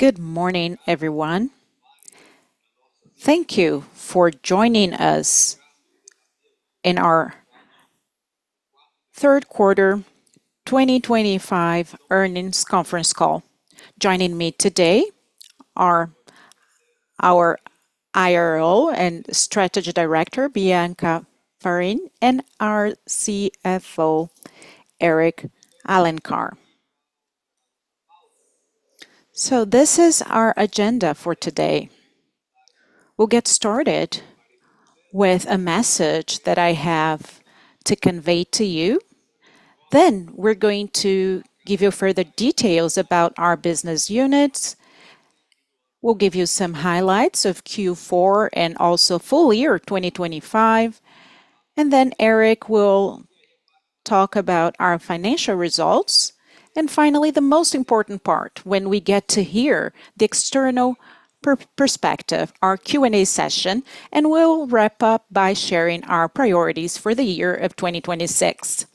Good morning, everyone. Thank you for joining us in our Q3 2025 earnings conference call. Joining me today are our IRO and Strategy Director, Aline Penna, and our CFO, Eric Alencar. This is our agenda for today. We'll get started with a message that I have to convey to you. Then we're going to give you further details about our business units. We'll give you some highlights of Q4 and also full year 2025. Then Eric will talk about our financial results. Finally, the most important part, when we get to hear the external perspective, our Q&A session, and we'll wrap up by sharing our priorities for the year of 2026.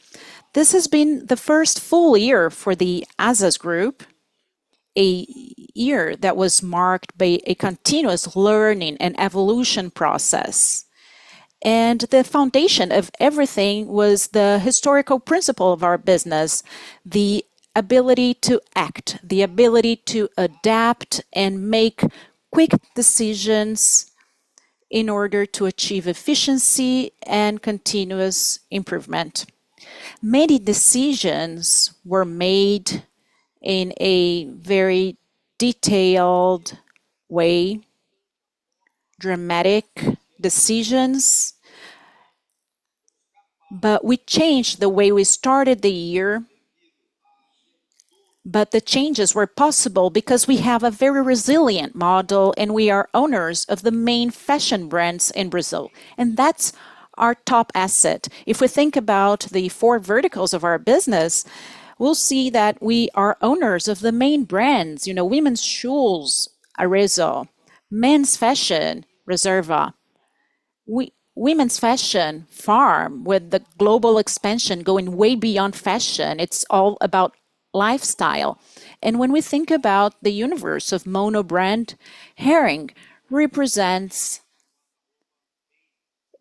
This has been the first full year for the Azzas 2154, a year that was marked by a continuous learning and evolution process. The foundation of everything was the historical principle of our business, the ability to act, the ability to adapt and make quick decisions in order to achieve efficiency and continuous improvement. Many decisions were made in a very detailed way, dramatic decisions, but we changed the way we started the year. The changes were possible because we have a very resilient model, and we are owners of the main fashion brands in Brazil, and that's our top asset. If we think about the four verticals of our business, we'll see that we are owners of the main brands. women's shoes, Arezzo, men's fashion, Reserva, women's fashion, Farm, with the global expansion going way beyond fashion. It's all about lifestyle. When we think about the universe of mono brand, Hering represents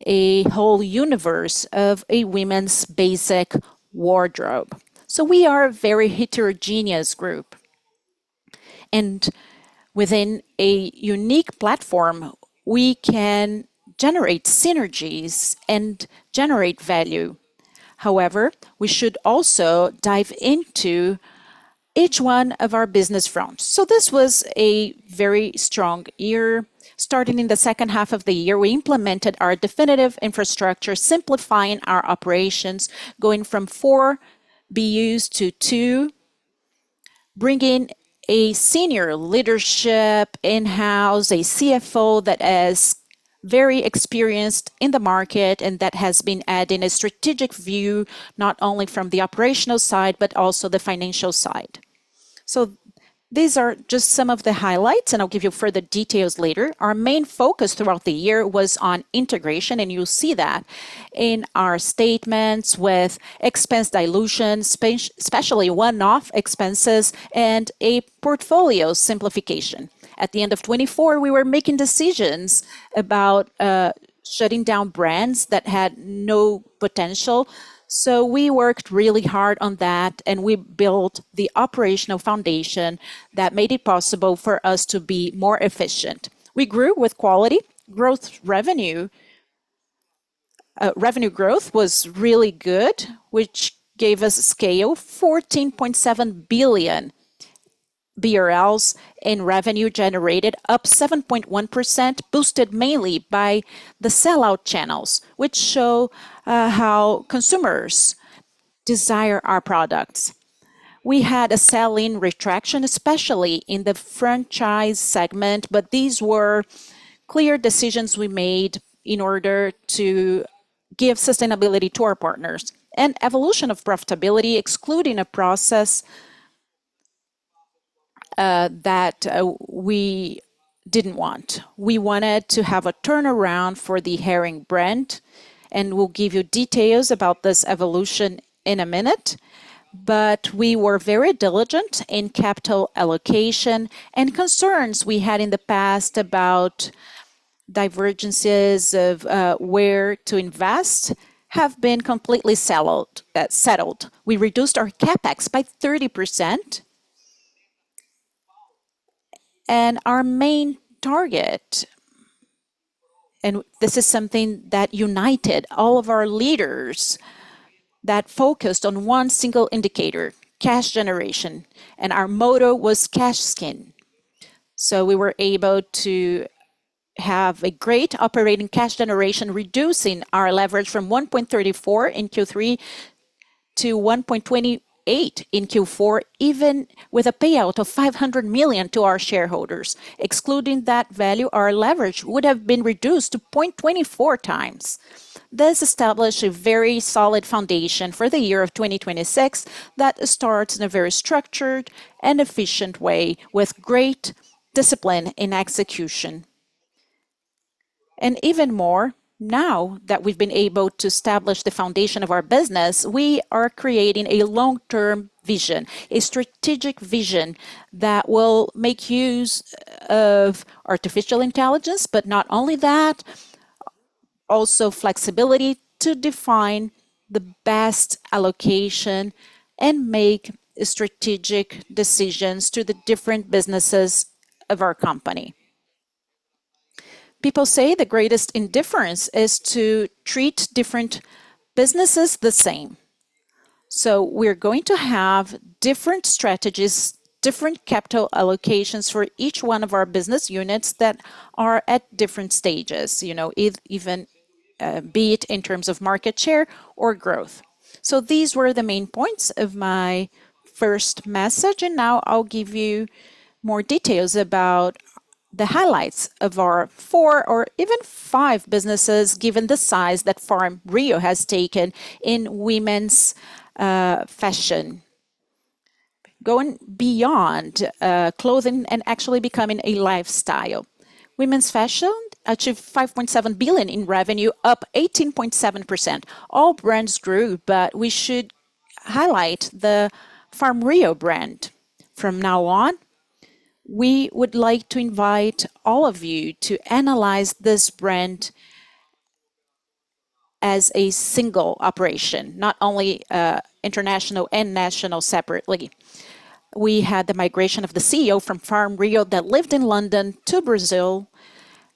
a whole universe of a women's basic wardrobe. We are a very heterogeneous group, and within a unique platform, we can generate synergies and generate value. However, we should also dive into each one of our business realms. This was a very strong year. Starting in the second half of the year, we implemented our definitive infrastructure, simplifying our operations, going from four BUs to two, bringing a senior leadership in-house, a CFO that is very experienced in the market, and that has been adding a strategic view, not only from the operational side, but also the financial side. These are just some of the highlights, and I'll give you further details later. Our main focus throughout the year was on integration, and you'll see that in our statements with expense dilution, especially one-off expenses and a portfolio simplification. At the end of 2024, we were making decisions about shutting down brands that had no potential. We worked really hard on that, and we built the operational foundation that made it possible for us to be more efficient. We grew with quality. Revenue growth was really good, which gave us scale, 14.7 billion BRL in revenue generated, up 7.1%, boosted mainly by the sell-out channels, which show how consumers desire our products. We had a sell-in retraction, especially in the franchise segment, but these were clear decisions we made in order to give sustainability to our partners. Evolution of profitability, excluding a process that we didn't want. We wanted to have a turnaround for the Hering brand, and we'll give you details about this evolution in a minute. We were very diligent in capital allocation and concerns we had in the past about divergences of where to invest have been completely settled. We reduced our CapEx by 30%. Our main target, and this is something that united all of our leaders that focused on one single indicator, cash generation, and our motto was cash is king. We were able to have a great operating cash generation, reducing our leverage from 1.34 in Q3 to 1.28 in Q4, even with a payout of 500 million to our shareholders. Excluding that value, our leverage would have been reduced to 0.24x. This established a very solid foundation for the year 2026 that starts in a very structured and efficient way with great discipline in execution. Even more, now that we've been able to establish the foundation of our business, we are creating a long-term vision, a strategic vision that will make use of artificial intelligence, but not only that, also flexibility to define the best allocation and make strategic decisions to the different businesses of our company. People say the greatest indifference is to treat different businesses the same. We're going to have different strategies, different capital allocations for each one of our business units that are at different stages be it in terms of market share or growth. These were the main points of my first message, and now I'll give you more details about the highlights of our four or even five businesses, given the size that Farm Rio has taken in women's fashion. Going beyond clothing and actually becoming a lifestyle. Women's fashion achieved 5.7 billion in revenue, up 18.7%. All brands grew, but we should highlight the Farm Rio brand. From now on, we would like to invite all of you to analyze this brand as a single operation, not only international and national separately. We had the migration of the CEO from Farm Rio that lived in London to Brazil.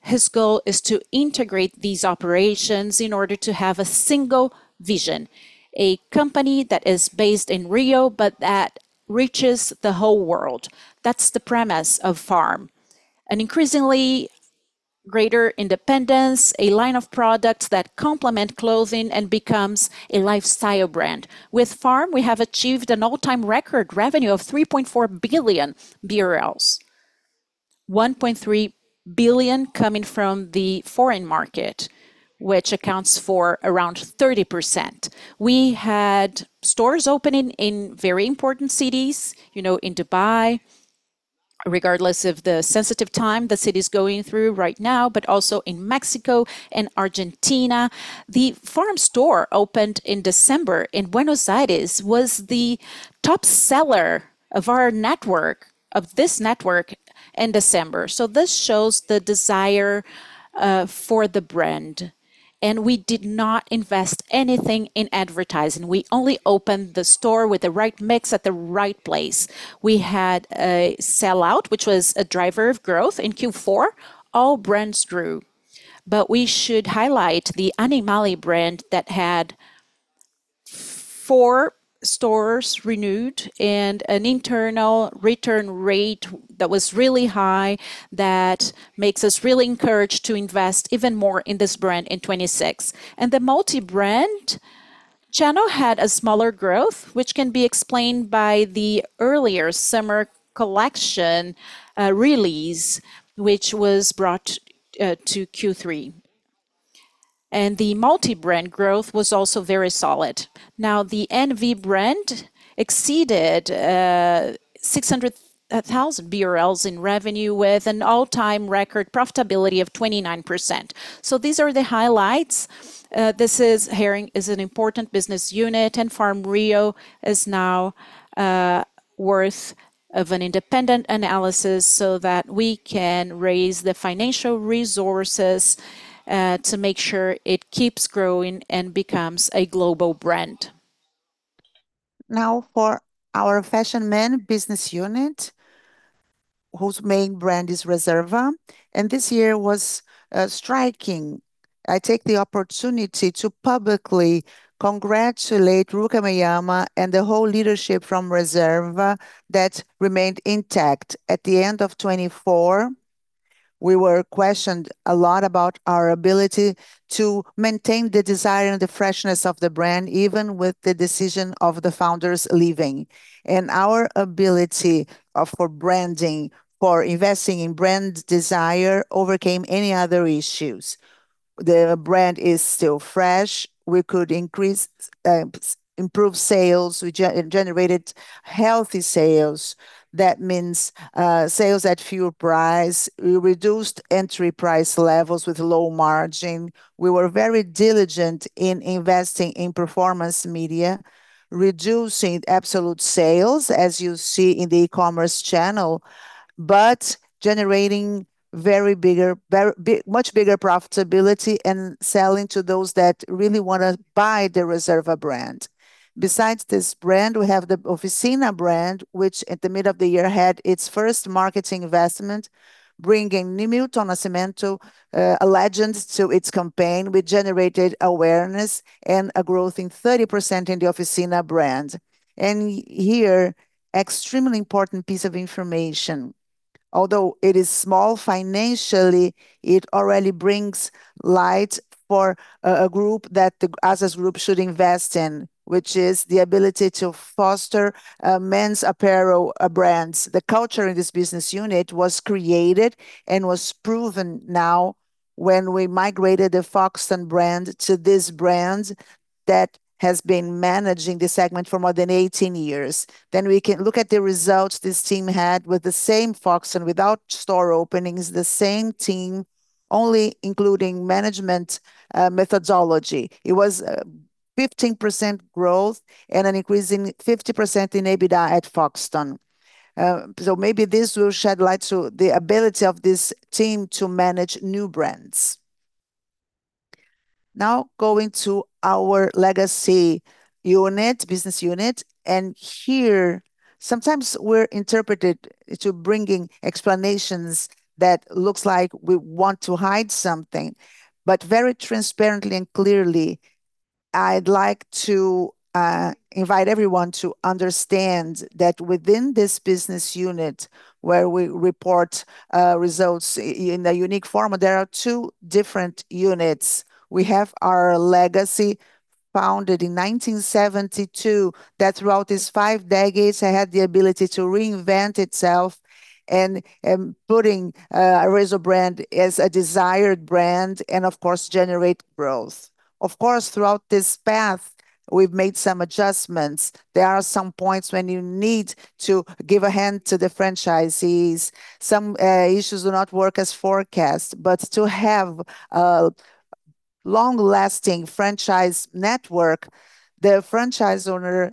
His goal is to integrate these operations in order to have a single vision. A company that is based in Rio, but that reaches the whole world. That's the premise of Farm. An increasingly greater independence, a line of products that complement clothing and becomes a lifestyle brand. With Farm, we have achieved an all-time record revenue of 3.4 billion BRL. 1.3 billion coming from the foreign market, which accounts for around 30%. We had stores opening in very important cities in Dubai, regardless of the sensitive time the city is going through right now, but also in Mexico and Argentina. The Farm store opened in December in Buenos Aires was the top seller of our network in December. This shows the desire for the brand. We did not invest anything in advertising. We only opened the store with the right mix at the right place. We had a sellout, which was a driver of growth in Q4. All brands grew. We should highlight the Animale brand that had 4 stores renewed and an internal return rate that was really high that makes us really encouraged to invest even more in this brand in 2026. The multi-brand channel had a smaller growth, which can be explained by the earlier summer collection release, which was brought to Q3. The multi-brand growth was also very solid. Now, the NV brand exceeded 600,000 BRL in revenue with an all-time record profitability of 29%. These are the highlights. Hering is an important business unit, and Farm Rio is now worth of an independent analysis so that we can raise the financial resources to make sure it keeps growing and becomes a global brand. Now for our men's fashion business unit, whose main brand is Reserva, and this year was striking. I take the opportunity to publicly congratulate Rony Meisler and the whole leadership from Reserva that remained intact. At the end of 2024, we were questioned a lot about our ability to maintain the desire and the freshness of the brand, even with the decision of the founders leaving. Our ability for branding, for investing in brand desire overcame any other issues. The brand is still fresh. We could increase, improve sales. We generated healthy sales. That means sales at full price. We reduced entry price levels with low margin. We were very diligent in investing in performance media, reducing absolute sales, as you see in the e-commerce channel, but generating much bigger profitability and selling to those that really want to buy the Reserva brand. Besides this brand, we have the Oficina brand, which at the middle of the year had its first marketing investment, bringing Neymar, a legend to its campaign, which generated awareness and a growth in 30% in the Oficina brand. Here, extremely important piece of information. Although it is small financially, it already brings light for a group that the Hering assets group should invest in, which is the ability to foster men's apparel brands. The culture in this business unit was created and was proven now when we migrated the Foxton brand to this brand that has been managing this segment for more than 18 years. We can look at the results this team had with the same Foxton without store openings, the same team only including management, methodology. It was 15% growth and an increase in 50% in EBITDA at Foxton. Maybe this will shed light to the ability of this team to manage new brands. Now going to our legacy unit, business unit, and here sometimes we're interpreted to bringing explanations that looks like we want to hide something. Very transparently and clearly, I'd like to invite everyone to understand that within this business unit where we report results in a unique form, there are two different units. We have our legacy founded in 1972, that throughout its five decades had the ability to reinvent itself and putting Arezzo brand as a desired brand and, of course, generate growth. Of course, throughout this path, we've made some adjustments. There are some points when you need to give a hand to the franchisees. Some issues do not work as forecast, but to have a long-lasting franchise network, the franchise owner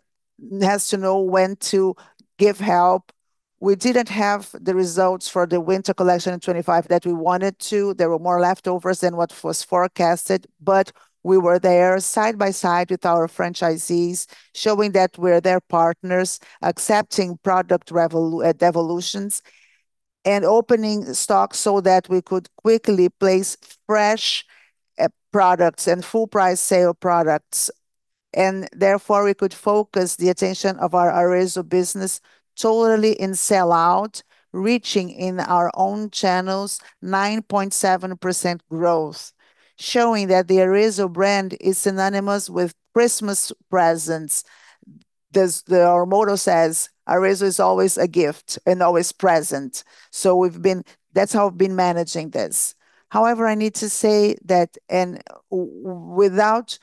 has to know when to give help. We didn't have the results for the winter collection in 2025 that we wanted to. There were more leftovers than what was forecasted, but we were there side by side with our franchisees, showing that we're their partners, accepting product devolutions, and opening stock so that we could quickly place fresh products and full-price sale products, and therefore we could focus the attention of our Arezzo business totally in sell-out, reaching in our own channels 9.7% growth, showing that the Arezzo brand is synonymous with Christmas presents. Our motto says, "Arezzo is always a gift and always present." We've been. That's how we've been managing this. However, I need to say that without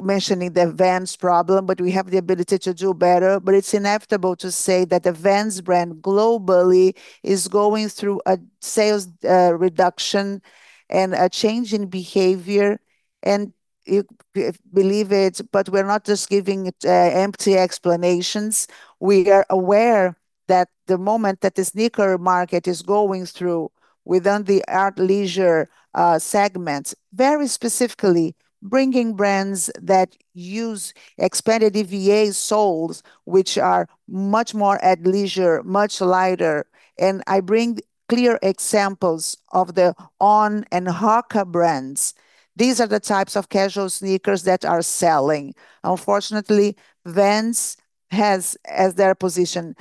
mentioning the Vans problem, but we have the ability to do better, but it's inevitable to say that the Vans brand globally is going through a sales reduction and a change in behavior. You believe it, but we're not just giving it empty explanations. We are aware that the moment that the sneaker market is going through within the athleisure segments, very specifically bringing brands that use expanded EVA soles, which are much more athleisure, much lighter, and I bring clear examples of the On and Hoka brands. These are the types of casual sneakers that are selling. Unfortunately, Vans has their position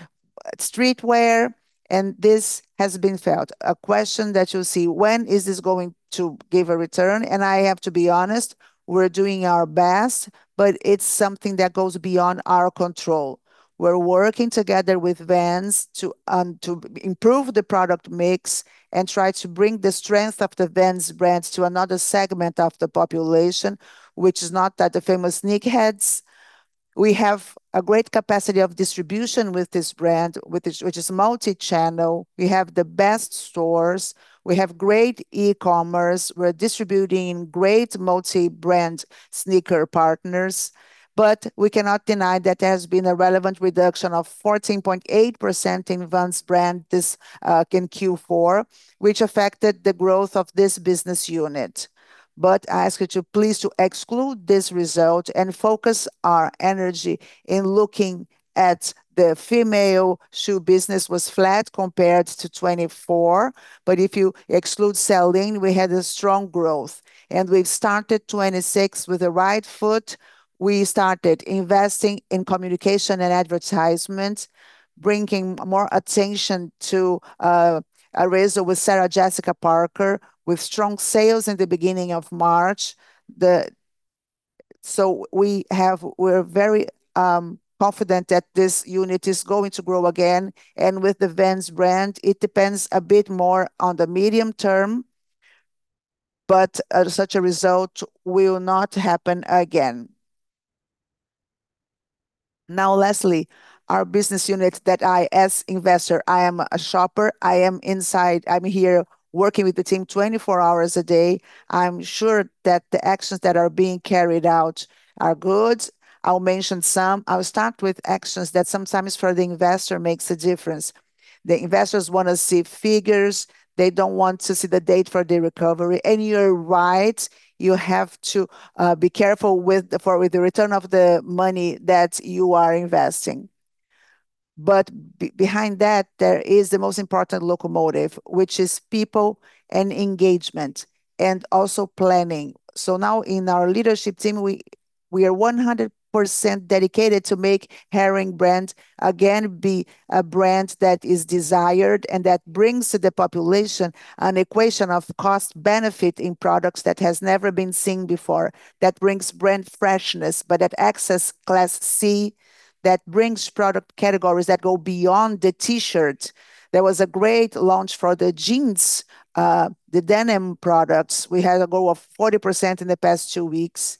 at streetwear, and this has been felt. A question that you'll see, when is this going to give a return? I have to be honest, we're doing our best, but it's something that goes beyond our control. We're working together with Vans to improve the product mix and try to bring the strength of the Vans brand to another segment of the population, which is not the famous sneakerheads. We have a great capacity of distribution with this brand, which is multi-channel. We have the best stores. We have great e-commerce. We're distributing great multi-brand sneaker partners. We cannot deny that there's been a relevant reduction of 14.8% in Vans brand this in Q4, which affected the growth of this business unit. I ask you to please to exclude this result and focus our energy in looking at the female shoe business was flat compared to 2024. If you exclude selling, we had a strong growth, and we've started 2026 with the right foot. We started investing in communication and advertisement, bringing more attention to Arezzo with Sarah Jessica Parker, with strong sales in the beginning of March. We're very confident that this unit is going to grow again. With the Vans brand, it depends a bit more on the medium term, but such a result will not happen again. Now lastly, our business unit that I as investor, I am a shopper, I am inside. I'm here working with the team 24 hours a day. I'm sure that the actions that are being carried out are good. I'll mention some. I'll start with actions that sometimes for the investor makes a difference. The investors want to see figures. They don't want to see the date for the recovery. You're right, you have to be careful with the return of the money that you are investing. But behind that, there is the most important locomotive, which is people and engagement, and also planning. Now in our leadership team, we are 100% dedicated to make Hering brand again be a brand that is desired and that brings to the population an equation of cost benefit in products that has never been seen before, that brings brand freshness, but that access Class C, that brings product categories that go beyond the T-shirt. There was a great launch for the jeans, the denim products. We had a growth of 40% in the past two weeks.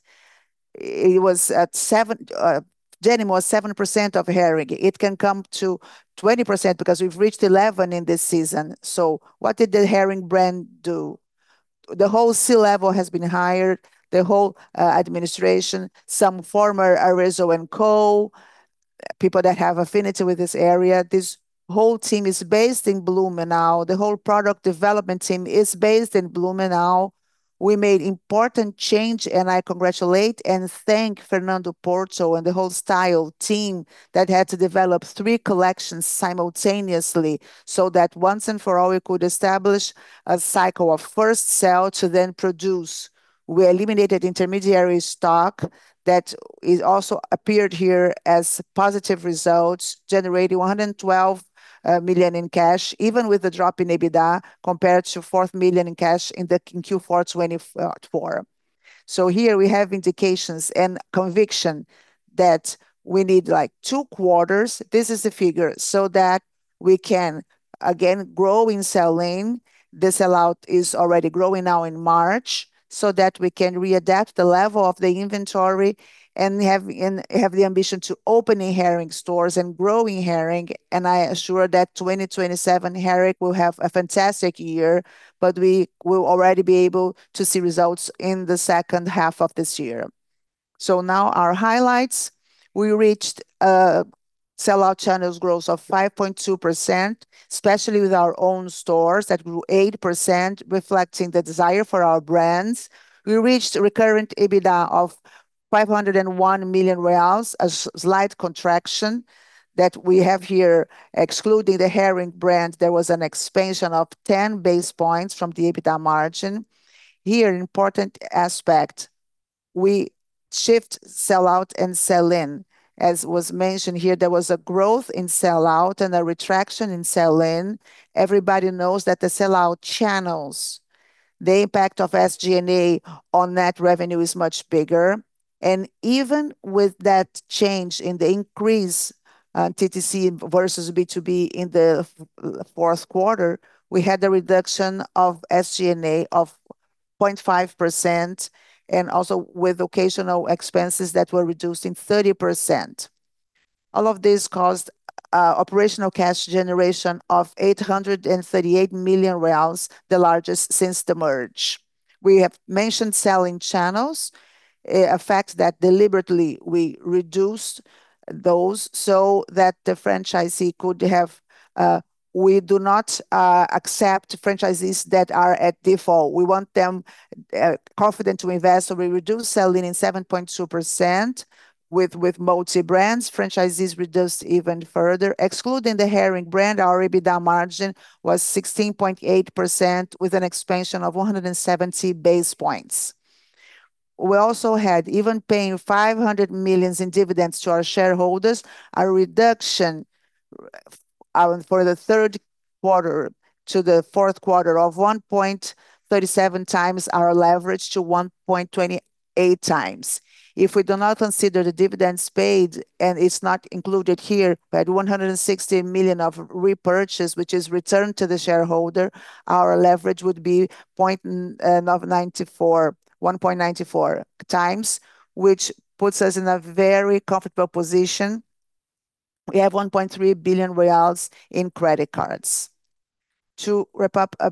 It was at 7%, jeans was 7% of Hering. It can come to 20% because we've reached 11 in this season. What did the Hering brand do? The whole C-level has been hired, the whole administration, some former Arezzo & Co. people that have affinity with this area. This whole team is based in Blumenau. The whole product development team is based in Blumenau. We made important change, and I congratulate and thank Fernando Porto and the whole style team that had to develop three collections simultaneously, so that once and for all we could establish a cycle of first sell to then produce. We eliminated intermediary stock that is also appeared here as positive results, generating 112 million in cash, even with the drop in EBITDA compared to Q4 million in cash in Q4 2024. Here we have indications and conviction that we need, like, two quarters, this is the figure, so that we can again grow in sell-in. The sell-out is already growing now in March, so that we can readapt the level of the inventory and have the ambition to open Hering stores and growing Hering. I assure that 2027, Hering will have a fantastic year, but we will already be able to see results in the second half of this year. Now our highlights. We reached sell-out channels growth of 5.2%, especially with our own stores that grew 8%, reflecting the desire for our brands. We reached recurrent EBITDA of 501 million reais, a slight contraction that we have here. Excluding the Hering brand, there was an expansion of 10 basis points from the EBITDA margin. Here, an important aspect, we shift sell-out and sell-in. As was mentioned here, there was a growth in sell-out and a contraction in sell-in. Everybody knows that the sell-out channels, the impact of SG&A on net revenue is much bigger. Even with that change in the increase, DTC versus B2B in the Q4, we had a reduction of SG&A of 0.5%, and also with occasional expenses that were reduced in 30%. All of this caused operational cash generation of 838 million reais, the largest since the merger. We have mentioned sell-in channels, a fact that deliberately we reduced those so that the franchisee could have. We do not accept franchisees that are in default. We want them confident to invest, so we reduced sell-in in 7.2% with multi-brands. Franchisees reduced even further. Excluding the Hering brand, our EBITDA margin was 16.8% with an expansion of 170 basis points. We also had, even paying 500 million in dividends to our shareholders, a reduction from the Q3 to the Q4 of 1.37 times our leverage to 1.28 times. If we do not consider the dividends paid, and it's not included here, we had 160 million of repurchase, which is returned to the shareholder, our leverage would be 1.94 times, which puts us in a very comfortable position. We have 1.3 billion reais in credit cards. To wrap up a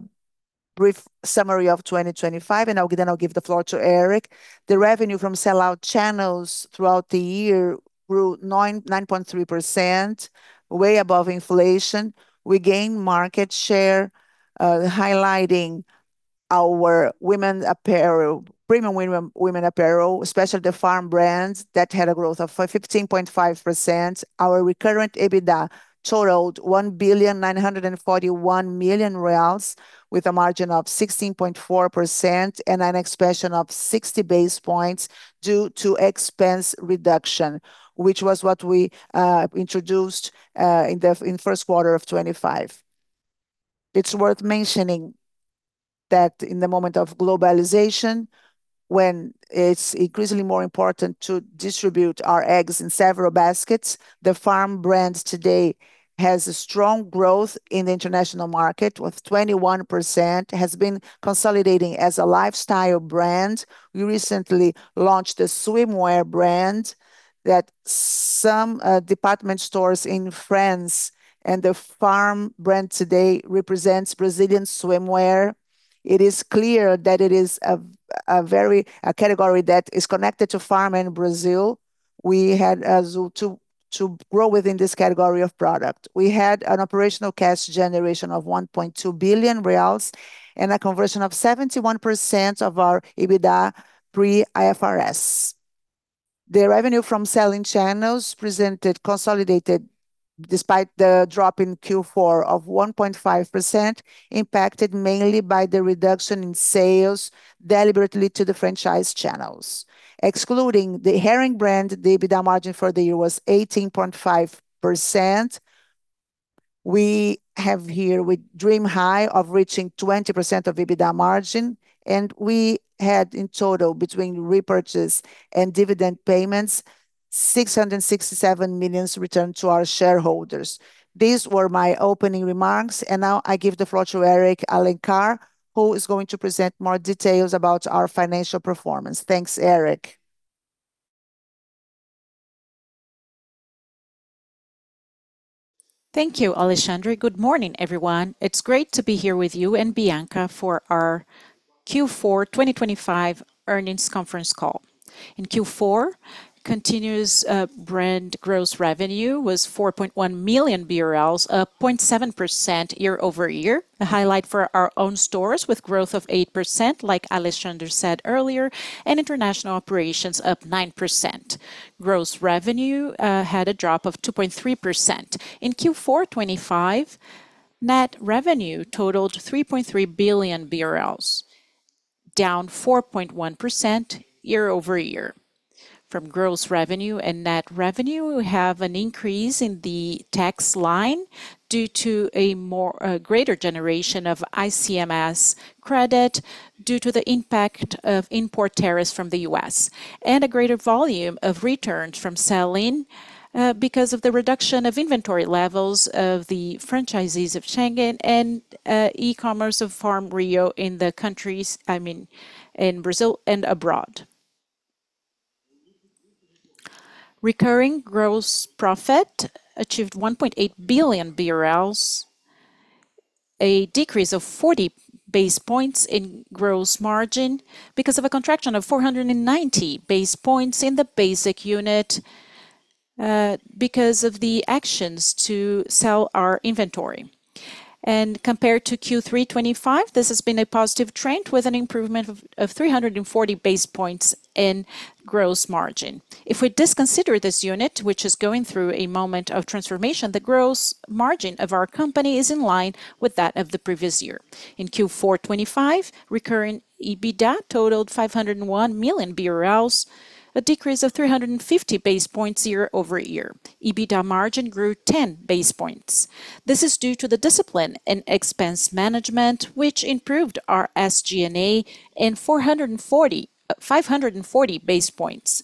brief summary of 2025, and then I'll give the floor to Eric. The revenue from sell-out channels throughout the year grew 9.3%, way above inflation. We gained market share, highlighting our women's apparel, premium women apparel, especially the Farm brands that had a growth of 15.5%. Our recurrent EBITDA totaled 1.941 billion with a margin of 16.4% and an expansion of 60 base points due to expense reduction, which was what we introduced in the Q1 of 2025. It's worth mentioning that in the moment of globalization, when it's increasingly more important to distribute our eggs in several baskets, the Farm brands today has a strong growth in the international market with 21%, has been consolidating as a lifestyle brand. We recently launched a swimwear brand that some department stores in France and the Farm brand today represents Brazilian swimwear. It is clear that it is a very category that is connected to Farm and Brazil. We had to grow within this category of product. We had an operational cash generation of 1.2 billion reais and a conversion of 71% of our EBITDA pre IFRS. The revenue from selling channels presented consolidated despite the drop in Q4 of 1.5%, impacted mainly by the reduction in sales deliberately to the franchise channels. Excluding the Hering brand, the EBITDA margin for the year was 18.5%. We have here, we dream high of reaching 20% EBITDA margin, and we had in total between repurchase and dividend payments, 667 million returned to our shareholders. These were my opening remarks, and now I give the floor to Eric Alencar, who is going to present more details about our financial performance. Thanks, Eric. Thank you, Alexandre. Good morning, everyone. It's great to be here with you and Bianca for our Q4 2025 earnings conference call. In Q4, consolidated brand gross revenue was 4.1 million BRL, up 0.7% year-over-year. The highlight for our own stores with growth of 8%, like Alexandre said earlier, and international operations up 9%. Gross revenue had a drop of 2.3%. In Q4 2025, net revenue totaled 3.3 billion BRL, down 4.1% year-over-year. From gross revenue and net revenue, we have an increase in the tax line due to a greater generation of ICMS credit due to the impact of import tariffs from the U.S. and a greater volume of returns from selling because of the reduction of inventory levels of the franchisees of Shang and e-commerce of Farm Rio in the countries, I mean, in Brazil and abroad. Recurring gross profit achieved 1.8 billion BRL, a decrease of 40 basis points in gross margin because of a contraction of 490 basis points in the business unit because of the actions to sell our inventory. Compared to Q3 2025, this has been a positive trend with an improvement of 340 basis points in gross margin. If we discount this unit, which is going through a moment of transformation, the gross margin of our company is in line with that of the previous year. In Q4 2025, recurring EBITDA totaled 501 million BRL, a decrease of 350 basis points year-over-year. EBITDA margin grew 10 basis points. This is due to the discipline in expense management, which improved our SG&A in 540 basis points,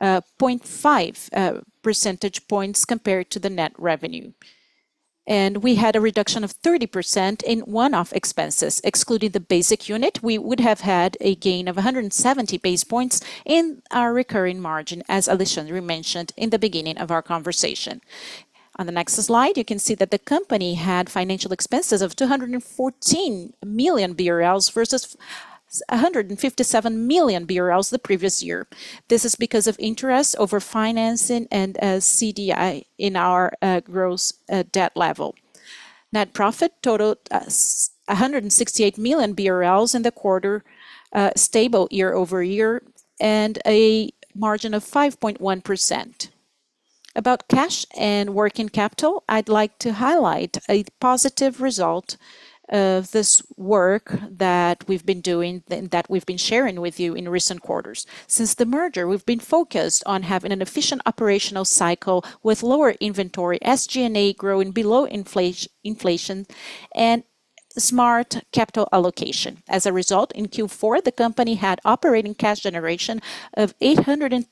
5.4 percentage points compared to the net revenue. We had a reduction of 30% in one-off expenses. Excluding the basic unit, we would have had a gain of 170 basis points in our recurring margin, as Alexandre mentioned in the beginning of our conversation. On the next slide, you can see that the company had financial expenses of 214 million BRL versus 157 million BRL the previous year. This is because of interest over financing and CDI in our gross debt level. Net profit totaled 168 million BRL in the quarter, stable year-over-year, and a margin of 5.1%. About cash and working capital, I'd like to highlight a positive result of this work that we've been doing and that we've been sharing with you in recent quarters. Since the merger, we've been focused on having an efficient operational cycle with lower inventory, SG&A growing below inflation, and smart capital allocation. As a result, in Q4, the company had operating cash generation of 838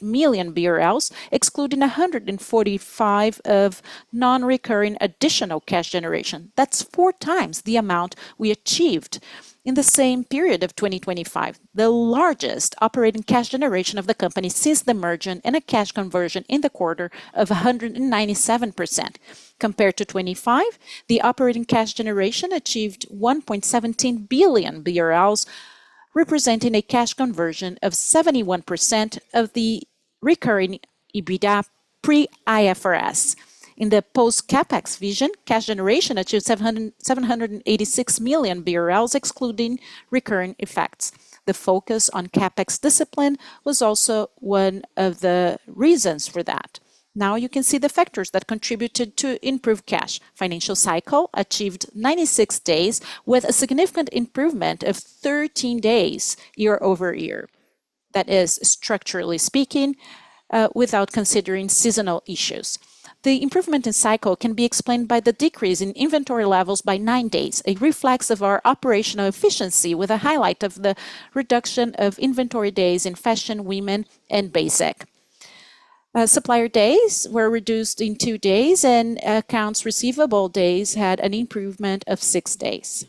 million BRL, excluding 145 million of non-recurring additional cash generation. That's 4 times the amount we achieved in the same period of 2025. The largest operating cash generation of the company since the merger, and a cash conversion in the quarter of 197%. Compared to 2025, the operating cash generation achieved 1.17 billion BRL, representing a cash conversion of 71% of the recurring EBITDA pre-IFRS. In the post CapEx vision, cash generation achieved 786 million BRL, excluding recurring effects. The focus on CapEx discipline was also one of the reasons for that. Now you can see the factors that contributed to improved cash financial cycle. Achieved 96 days with a significant improvement of 13 days year-over-year. That is structurally speaking, without considering seasonal issues. The improvement in cycle can be explained by the decrease in inventory levels by 9 days, a reflection of our operational efficiency with a highlight of the reduction of inventory days in fashion, women, and basic. Supplier days were reduced in two days, and accounts receivable days had an improvement of six days.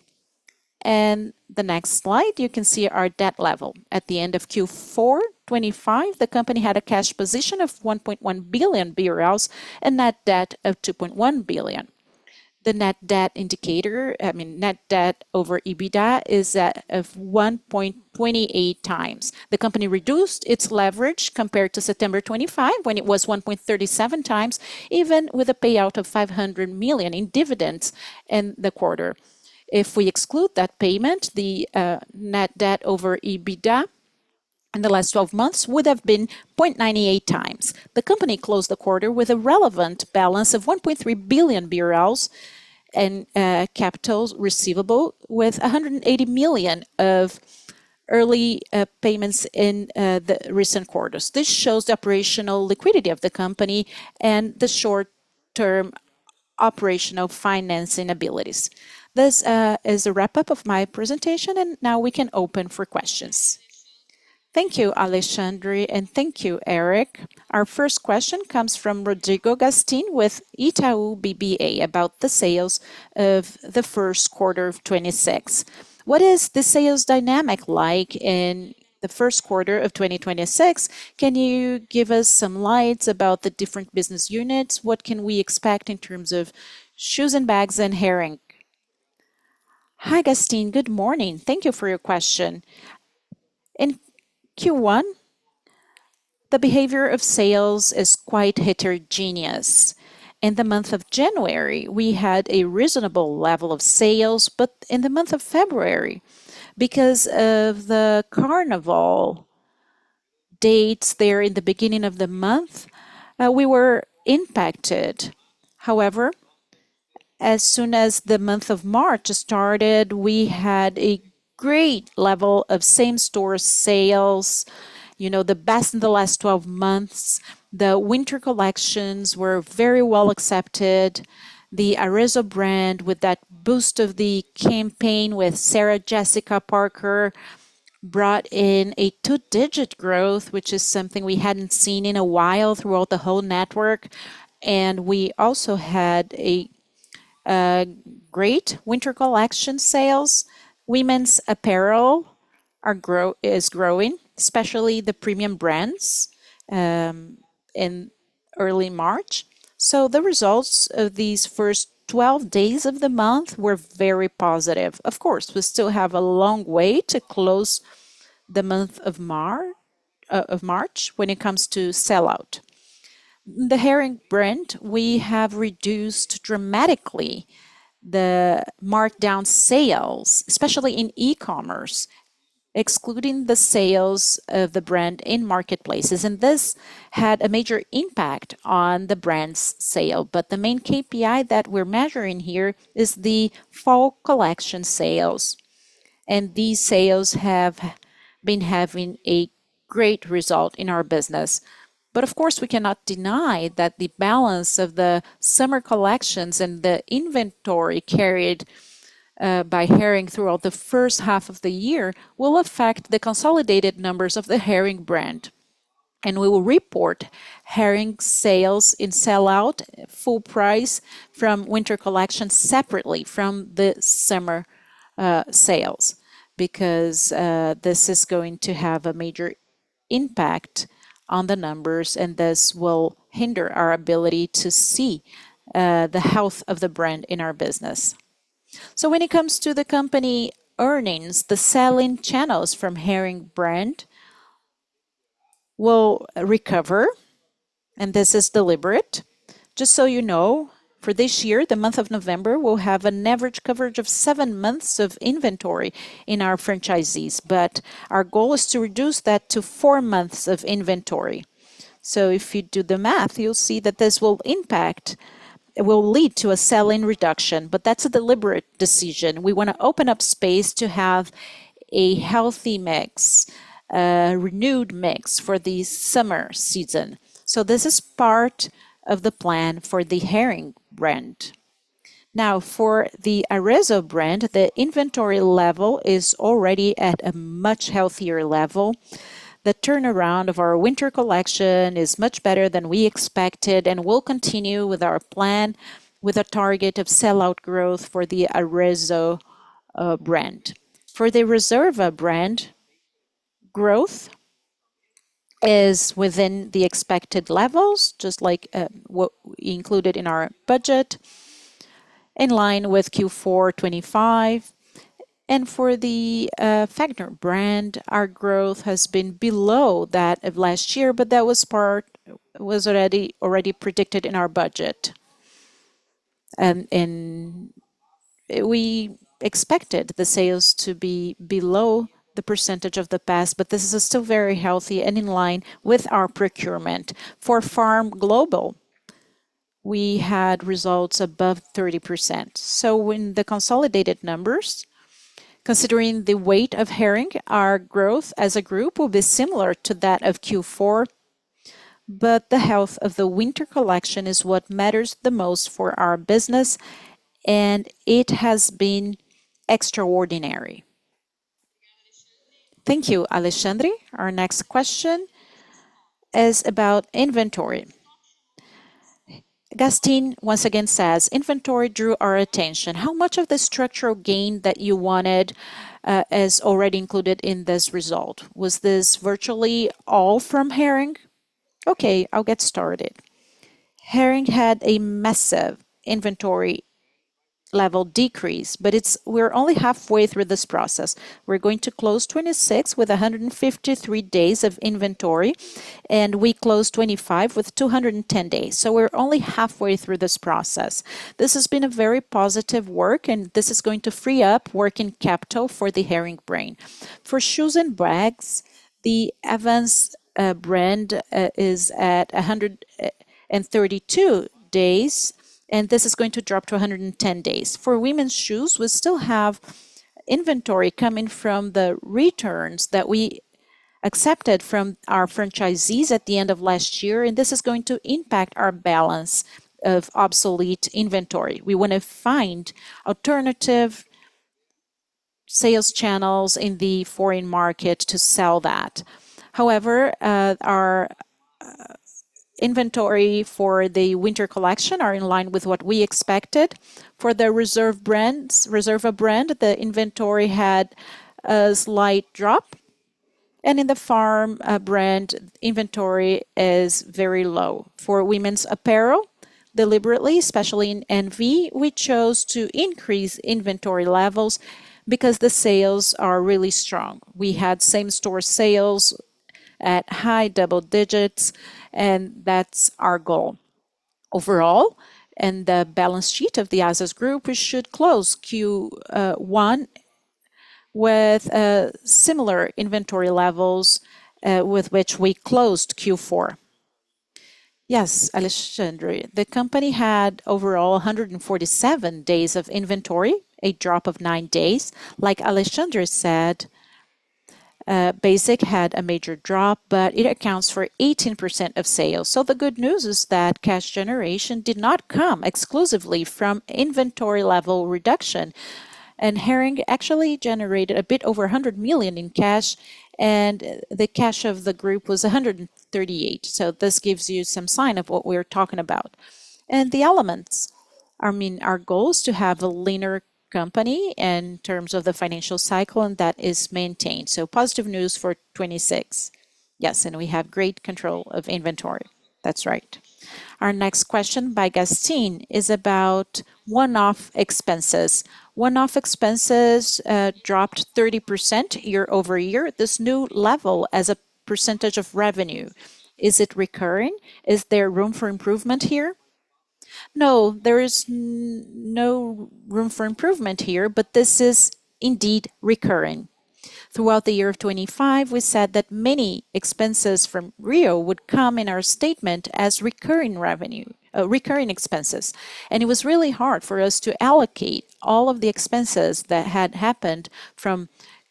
In the next slide, you can see our debt level. At the end of Q4 2025, the company had a cash position of 1.1 billion BRL and net debt of 2.1 billion. The net debt indicator, I mean net debt over EBITDA, is at 1.28x. The company reduced its leverage compared to September 2025 when it was 1.37x, even with a payout of 500 million in dividends in the quarter. If we exclude that payment, the net debt over EBITDA in the last twelve months would have been 0.98x. The company closed the quarter with a relevant balance of 1.3 billion BRL in cash and receivables with 180 million of early payments in the recent quarters. This shows the operational liquidity of the company and the short-term operational financing abilities. This is a wrap-up of my presentation, and now we can open for questions. Thank you, Alexandre, and thank you, Eric. Our first question comes from Rodrigo Gastim with Itaú BBA about the sales of the Q1 of 2026. What is the sales dynamic like in the Q1 of 2026? Can you give us some light about the different business units? What can we expect in terms of shoes and bags and Hering? Hi, Gastim. Good morning. Thank you for your question. In Q1, the behavior of sales is quite heterogeneous. In the month of January, we had a reasonable level of sales, but in the month of February, because of the carnival dates there in the beginning of the month, we were impacted. However, as soon as the month of March started, we had a great level of same-store sales the best in the last 12 months. The winter collections were very well accepted. The Arezzo brand, with that boost of the campaign with Sarah Jessica Parker, brought in a two-digit growth, which is something we hadn't seen in a while throughout the whole network. We also had a great winter collection sales. Women's apparel is growing, especially the premium brands, in early March. The results of these first 12 days of the month were very positive. Of course, we still have a long way to close the month of March when it comes to sell-out. The Hering brand, we have reduced dramatically the markdown sales, especially in e-commerce, excluding the sales of the brand in marketplaces, and this had a major impact on the brand's sale. The main KPI that we're measuring here is the fall collection sales, and these sales have been having a great result in our business. Of course, we cannot deny that the balance of the summer collections and the inventory carried by Hering throughout the first half of the year will affect the consolidated numbers of the Hering brand. We will report Hering sales in sell-out, full price from winter collection separately from the summer, sales because, this is going to have a major impact on the numbers, and this will hinder our ability to see, the health of the brand in our business. When it comes to the company earnings, the sell-in channels from Hering brand will recover, and this is deliberate. Just so for this year, the month of November will have an average coverage of seven months of inventory in our franchisees, but our goal is to reduce that to four months of inventory. If you do the math, you'll see that this will impact. It will lead to a sell-in reduction, but that's a deliberate decision. We want to open up space to have a healthy mix, a renewed mix for the summer season. This is part of the plan for the Hering brand. Now, for the Arezzo brand, the inventory level is already at a much healthier level. The turnaround of our winter collection is much better than we expected, and we'll continue with our plan with a target of sell-out growth for the Arezzo brand. For the Reserva brand, growth is within the expected levels, just like what we included in our budget, in line with Q4 2025. For the Farm brand, our growth has been below that of last year, but that was already predicted in our budget. We expected the sales to be below the percentage of the past, but this is still very healthy and in line with our procurement. For Farm global, we had results above 30%. When the consolidated numbers, considering the weight of Hering, our growth as a group will be similar to that of Q4, but the health of the winter collection is what matters the most for our business, and it has been extraordinary. Thank you, Alexandre. Our next question is about inventory. Gastim once again says, "Inventory drew our attention. How much of the structural gain that you wanted is already included in this result? Was this virtually all from Hering?" Okay, I'll get started. Hering had a massive inventory level decrease, but we're only halfway through this process. We're going to close 2026 with 153 days of inventory, and we closed 2025 with 210 days. We're only halfway through this process. This has been a very positive work, and this is going to free up working capital for the Hering brand. For shoes and bags, the Arezzo brand is at 132 days, and this is going to drop to 110 days. For women's shoes, we still have inventory coming from the returns that we accepted from our franchisees at the end of last year, and this is going to impact our balance of obsolete inventory. We want to find alternative sales channels in the foreign market to sell that. However, our inventory for the winter collection are in line with what we expected. For the Reserva brand, the inventory had a slight drop. In the Farm brand, inventory is very low. For women's apparel, deliberately, especially in NV, we chose to increase inventory levels because the sales are really strong. We had same store sales at high double digits, and that's our goal. Overall, in the balance sheet of the Arezzo & Co group, we should close Q1 with similar inventory levels with which we closed Q4. Yes, Alexandre. The company had overall 147 days of inventory, a drop of nine days. Like Alexandre said, Basic had a major drop, but it accounts for 18% of sales. The good news is that cash generation did not come exclusively from inventory level reduction. Hering actually generated a bit over 100 million in cash, and the cash of the group was 138 million. This gives you some sign of what we're talking about. The elements. I mean, our goal is to have a leaner company in terms of the financial cycle, and that is maintained. Positive news for 2026. We have great control of inventory. That's right. Our next question by Rodrigo Gastim is about one-off expenses. One-off expenses dropped 30% year-over-year. This new level as a percentage of revenue, is it recurring? Is there room for improvement here? No, there is no room for improvement here, but this is indeed recurring. Throughout the year of 2025, we said that many expenses from Rio would come in our statement as recurring expenses. It was really hard for us to allocate all of the expenses that had happened from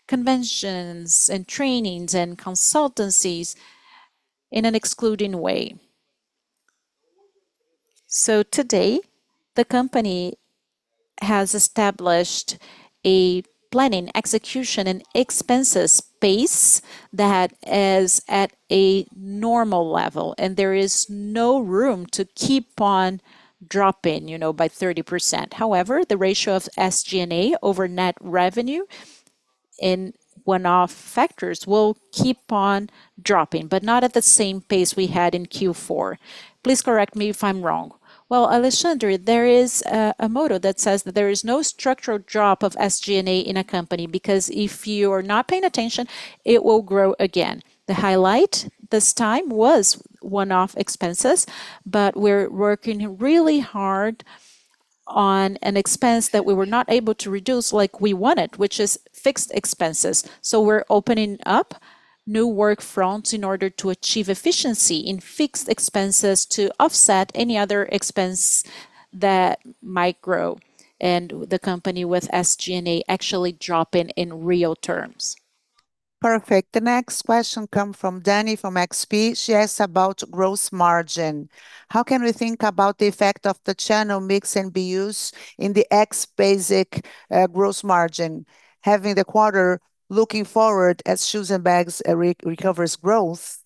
conventions and trainings and consultancies in an excluding way. Today, the company has established a planning, execution, and expenses pace that is at a normal level, and there is no room to keep on dropping by 30%. However, the ratio of SG&A over net revenue in one-off factors will keep on dropping, but not at the same pace we had in Q4. Please correct me if I'm wrong. Well, Alexandre, there is a motto that says that there is no structural drop of SG&A in a company because if you're not paying attention, it will grow again. The highlight this time was one-off expenses, but we're working really hard on an expense that we were not able to reduce like we wanted, which is fixed expenses. We're opening up new work fronts in order to achieve efficiency in fixed expenses to offset any other expense that might grow, and the company with SG&A actually dropping in real terms. Perfect. The next question comes from Daniela Eiger from XP Inc. She asks about gross margin. How can we think about the effect of the channel mix and BUs in the ex-basic gross margin, having the quarter looking forward as shoes and bags recovers growth?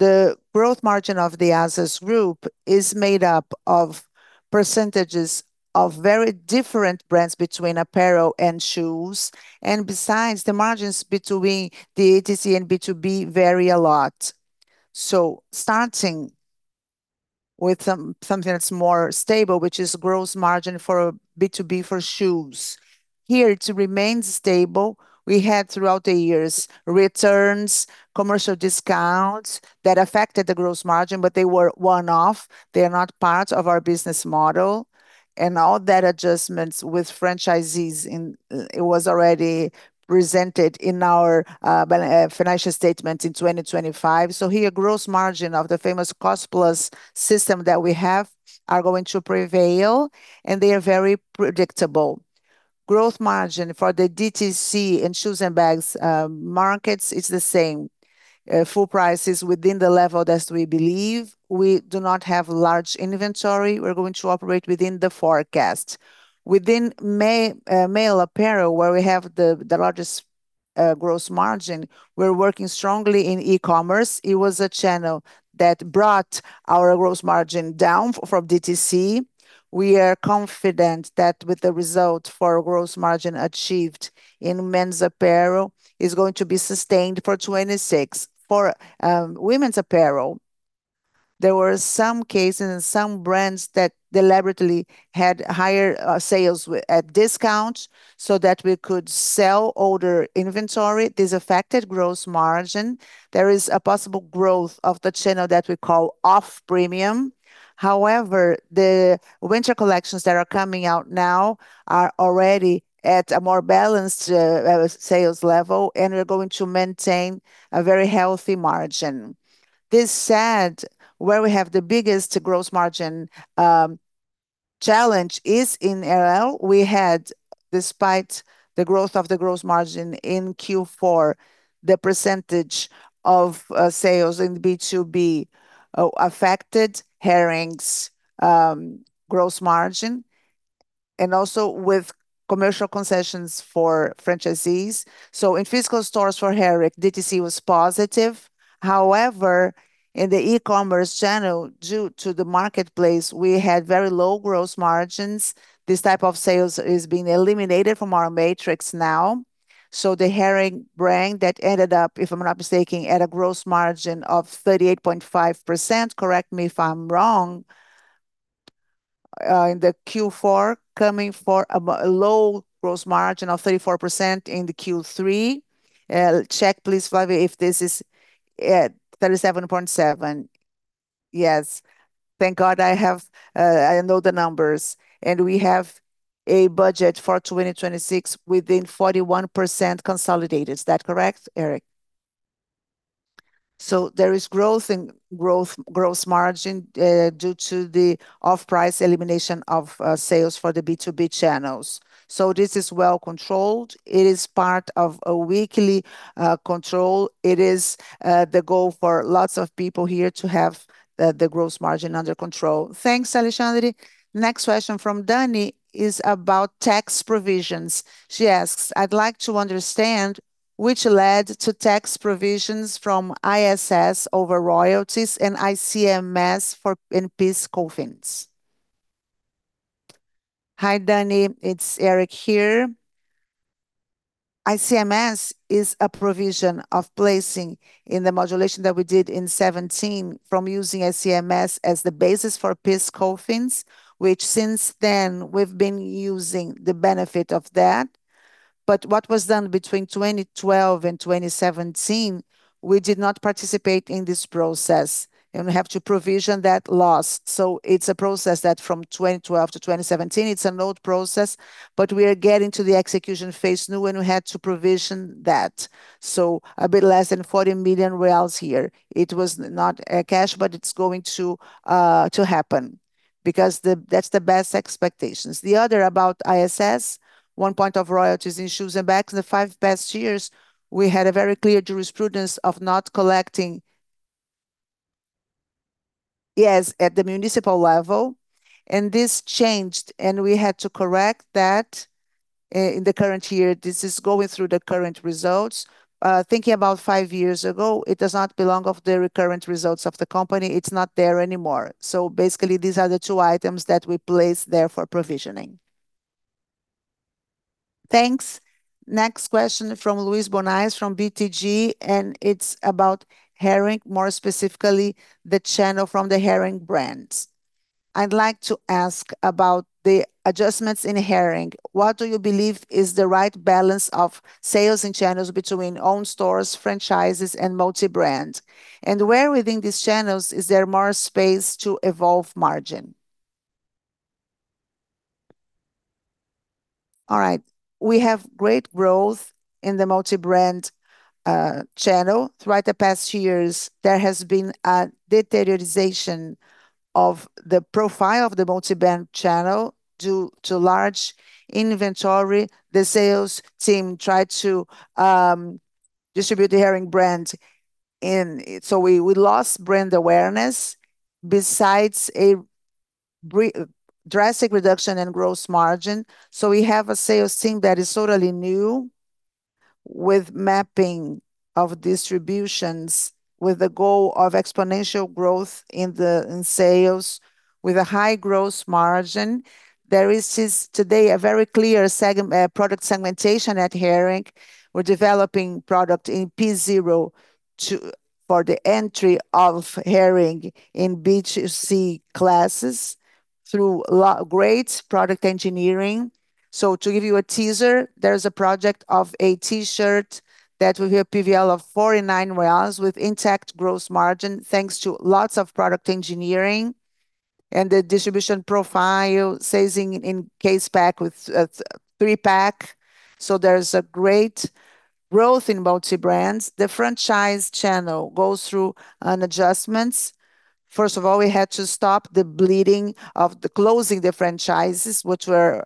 The gross margin of the Azzas 2154 is made up of percentages of very different brands between apparel and shoes. Besides, the margins between the DTC and B2B vary a lot. Starting with something that's more stable, which is gross margin for B2B for shoes. Here, it remains stable. We had, throughout the years, returns, commercial discounts that affected the gross margin, but they were one-off. They are not part of our business model. All that adjustments with franchisees. It was already presented in our financial statement in 2025. Here, gross margin of the famous cost-plus system that we have are going to prevail, and they are very predictable. Gross margin for the DTC and shoes and bags markets is the same. Full price is within the level that we believe. We do not have large inventory. We're going to operate within the forecast. Within male apparel, where we have the largest gross margin, we're working strongly in e-commerce. It was a channel that brought our gross margin down from DTC. We are confident that with the result for gross margin achieved in men's apparel is going to be sustained for 2026. For women's apparel, there were some cases and some brands that deliberately had higher sales at discount so that we could sell older inventory. This affected gross margin. There is a possible growth of the channel that we call off-price. However, the winter collections that are coming out now are already at a more balanced sales level, and we're going to maintain a very healthy margin. That said, where we have the biggest gross margin challenge is in RL. We had, despite the growth of the gross margin in Q4, the percentage of sales in B2B affected Hering's gross margin and also with commercial concessions for franchisees. In physical stores for Hering, DTC was positive. However, in the e-commerce channel, due to the marketplace, we had very low gross margins. This type of sales is being eliminated from our mix now. The Hering brand that ended up, if I'm not mistaken, at a gross margin of 38.5%, correct me if I'm wrong, in the Q4, coming from a low gross margin of 34% in the Q3. Check please, Flavio, if this is. Yeah, 37.7%. Yes. Thank God I have I know the numbers. We have a budget for 2026 within 41% consolidated. Is that correct, Eric? There is growth in gross margin due to the off-price elimination of sales for the B2B channels. This is well controlled. It is part of a weekly control. It is the goal for lots of people here to have the gross margin under control. Thanks, Alexandre. Next question from Dani is about tax provisions. She asks, "I'd like to understand what led to tax provisions from ISS over royalties and ICMS for in PIS/COFINS." Hi Dani, it's Eric here. ICMS is a provision of placing in the modulation that we did in 2017 from using ICMS as the basis for PIS/COFINS, which since then we've been using the benefit of that. What was done between 2012 and 2017, we did not participate in this process, and we have to provision that loss. It's a process that from 2012 to 2017, it's an old process, but we are getting to the execution Phase now and we had to provision that. A bit less than 40 million reais here. It was not cash, but it's going to happen because that's the best expectations. The other about ISS, one point of royalties issues, and back in the past five years, we had a very clear jurisprudence of not collecting. Yes, at the municipal level, and this changed, and we had to correct that in the current year. This is going through the current results. Thinking about five years ago, it does not belong to the recurrent results of the company. It's not there anymore. Basically, these are the two items that we place there for provisioning. Thanks. Next question from Luiz Guanais from BTG Pactual, and it's about Hering, more specifically the channel from the Hering brand. "I'd like to ask about the adjustments in Hering. What do you believe is the right balance of sales and channels between own stores, franchises, and multi-brand? And where within these channels is there more space to evolve margin?" All right. We have great growth in the multi-brand channel. Throughout the past years, there has been a deterioration of the profile of the multi-brand channel due to large inventory. The sales team tried to distribute the Hering brand, and so we lost brand awareness besides a drastic reduction in gross margin. We have a sales team that is totally new with mapping of distributions with the goal of exponential growth in sales with a high gross margin. There is today a very clear product segmentation at Hering. We're developing product in P0 to for the entry of Hering in B2C classes through great product engineering. To give you a teaser, there is a project of a T-shirt that will have PVP of 49 reais with intact gross margin, thanks to lots of product engineering and the distribution profile, sizing in case pack with at three-pack, so there's a great growth in multi-brands. The franchise channel goes through adjustments. First of all, we had to stop the bleeding of closing the franchises, which were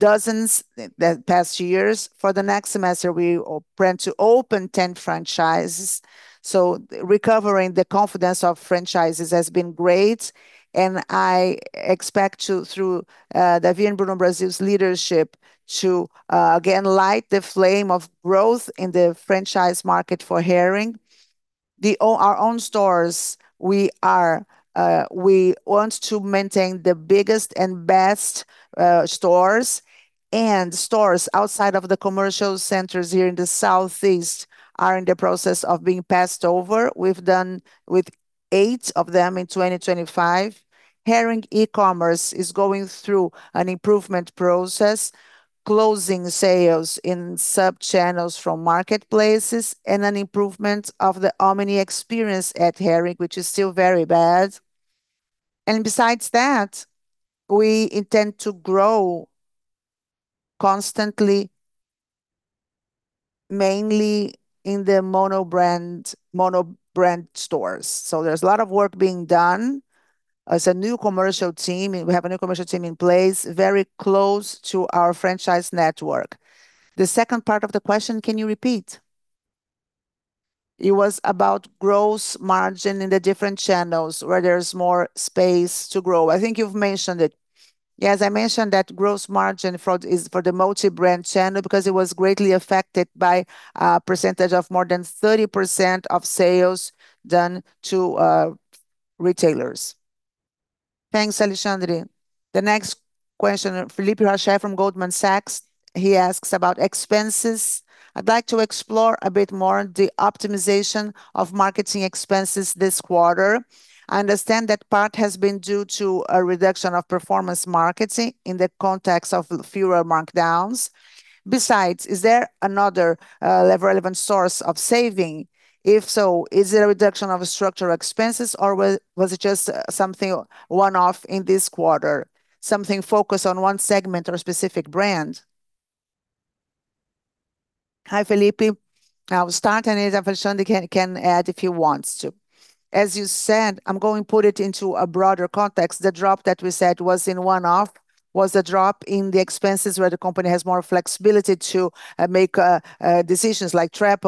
dozens in the past years. For the next semester, we plan to open 10 franchises, so recovering the confidence of franchises has been great, and I expect, through David andBruno Brasil's leadership, to again light the flame of growth in the franchise market for Hering. Our own stores, we want to maintain the biggest and best stores, and stores outside of the commercial centers here in the southeast are in the process of being passed over. We've done with 8 of them in 2025. Hering e-commerce is going through an improvement process, closing sales in sub-channels from marketplaces, and an improvement of the omni-experience at Hering, which is still very bad. Besides that, we intend to grow constantly, mainly in the mono-brand stores. There's a lot of work being done as a new commercial team, and we have a new commercial team in place very close to our franchise network. The second part of the question, can you repeat? It was about gross margin in the different channels where there's more space to grow. I think you've mentioned it. Yes, I mentioned that gross margin for. is for the multi-brand channel because it was greatly affected by a percentage of more than 30% of sales done to retailers. Thanks, Alexandre. The next question, Felipe Rached from Goldman Sachs, he asks about expenses. I'd like to explore a bit more the optimization of marketing expenses this quarter. I understand that part has been due to a reduction of performance marketing in the context of fewer markdowns. Besides, is there another relevant source of saving? If so, is it a reduction of structural expenses, or was it just something one-off in this quarter, something focused on one segment or a specific brand? Hi, Felipe. I'll start on it, and Alexandre can add if he wants to. As you said, I'm going to put it into a broader context. The drop that we said was in one-off was a drop in the expenses where the company has more flexibility to make decisions like trips,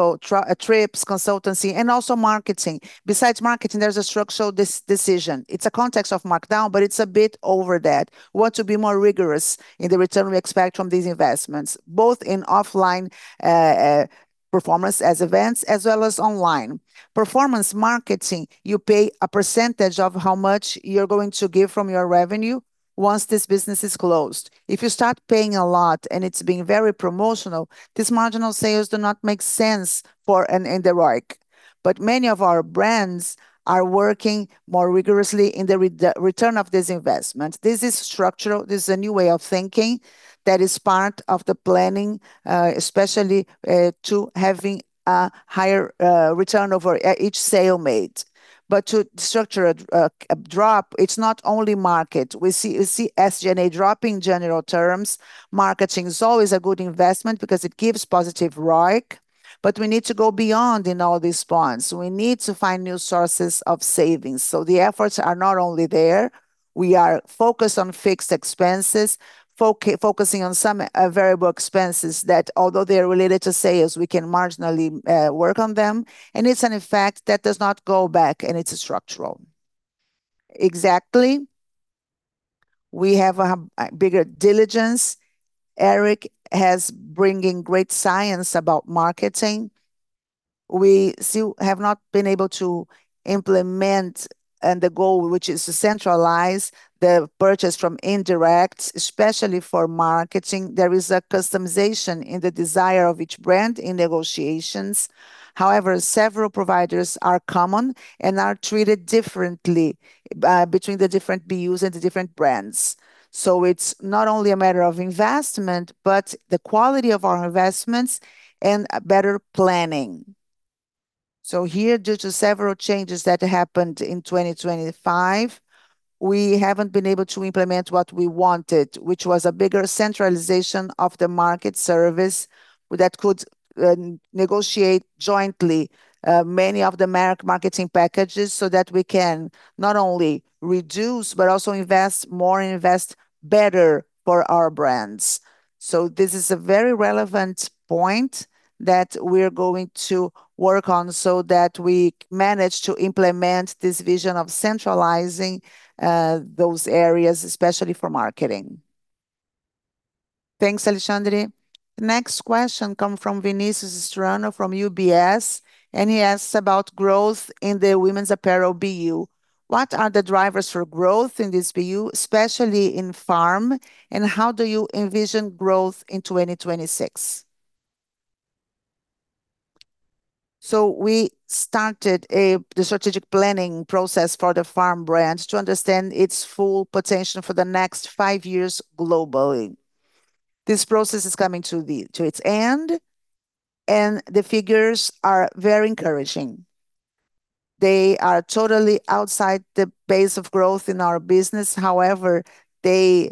consultancy, and also marketing. Besides marketing, there's a structural decision. It's a context of markdown, but it's a bit over that. We want to be more rigorous in the return we expect from these investments, both in offline performance as events as well as online. Performance marketing, you pay a percentage of how much you're going to give from your revenue once this business is closed. If you start paying a lot and it's being very promotional, these marginal sales do not make sense for an indirect. But many of our brands are working more rigorously in the return of this investment. This is structural. This is a new way of thinking that is part of the planning, especially, to having a higher, return over, each sale made. To structure a drop, it's not only marketing. We see SG&A dropping general terms. Marketing is always a good investment because it gives positive ROIC, but we need to go beyond in all these points. We need to find new sources of savings, so the efforts are not only there. We are focused on fixed expenses, focusing on some variable expenses that although they're related to sales, we can marginally work on them, and it's an effect that does not go back, and it's structural. Exactly. We have a bigger diligence. Eric Alencar has bringing great science about marketing. We still have not been able to implement, and the goal, which is to centralize the purchase from indirect, especially for marketing. There is a customization in the desire of each brand in negotiations. However, several providers are common and are treated differently between the different BUs and the different brands. It's not only a matter of investment, but the quality of our investments and better planning. Here, due to several changes that happened in 2025, we haven't been able to implement what we wanted, which was a bigger centralization of the market service that could negotiate jointly many of the marketing packages so that we can not only reduce, but also invest more and invest better for our brands. This is a very relevant point that we're going to work on so that we manage to implement this vision of centralizing those areas, especially for marketing. Thanks, Alexandre. Next question comes from Vinicius Strano from UBS, and he asks about growth in the women's apparel BU. What are the drivers for growth in this BU, especially in Farm, and how do you envision growth in 2026? We started the strategic planning process for the Farm brand to understand its full potential for the next five years globally. This process is coming to its end, and the figures are very encouraging. They are totally outside the base of growth in our business. However, they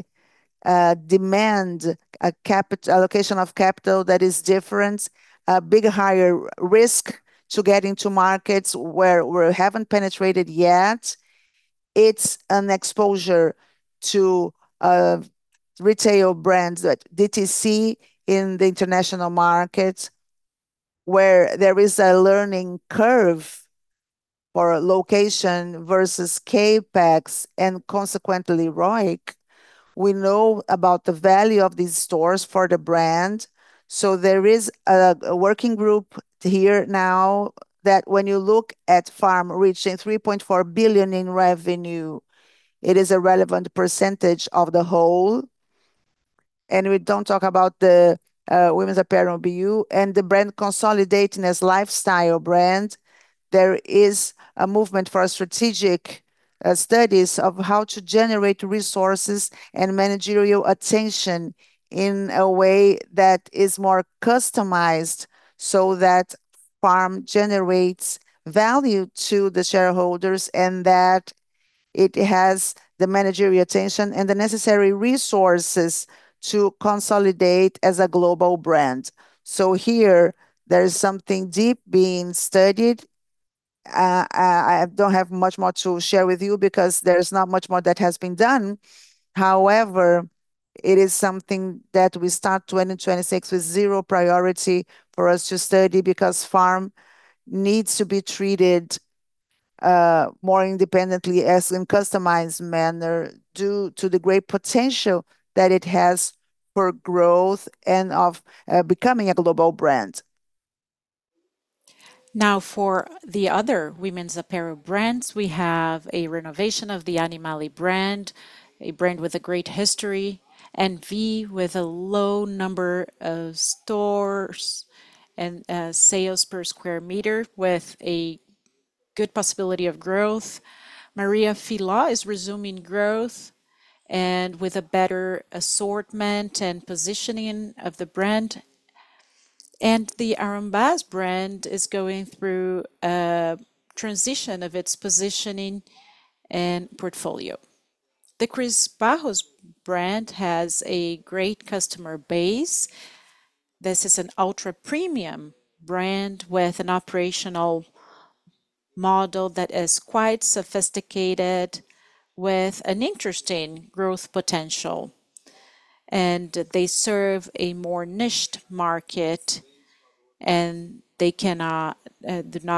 demand a capital allocation of capital that is different, a bigger, higher risk to get into markets where we haven't penetrated yet. It's an exposure to retail brands like DTC in the international market, where there is a learning curve for location versus CapEx and consequently ROIC. We know about the value of these stores for the brand, so there is a working group here now that when you look at Farm reaching 3.4 billion in revenue, it is a relevant percentage of the whole, and we don't talk about the women's apparel BU and the brand consolidating as lifestyle brand. There is a movement for strategic studies of how to generate resources and managerial attention in a way that is more customized, so that Farm generates value to the shareholders and that it has the managerial attention and the necessary resources to consolidate as a global brand. Here, there is something deeply being studied. I don't have much more to share with you because there's not much more that has been done. However, it is something that we start in 2026 with top priority for us to study because Farm needs to be treated more independently in a customized manner due to the great potential that it has for growth and becoming a global brand. Now for the other women's apparel brands, we have a renovation of the Animale brand, a brand with a great history, and NV with a low number of stores and sales per square meter with a good possibility of growth. Maria Filó is resuming growth and with a better assortment and positioning of the brand. The A.Brand brand is going through a transition of its positioning and portfolio. The Cris Barros brand has a great customer base. This is an ultra-premium brand with an operational model that is quite sophisticated with an interesting growth potential. They serve a more niche market, and they do not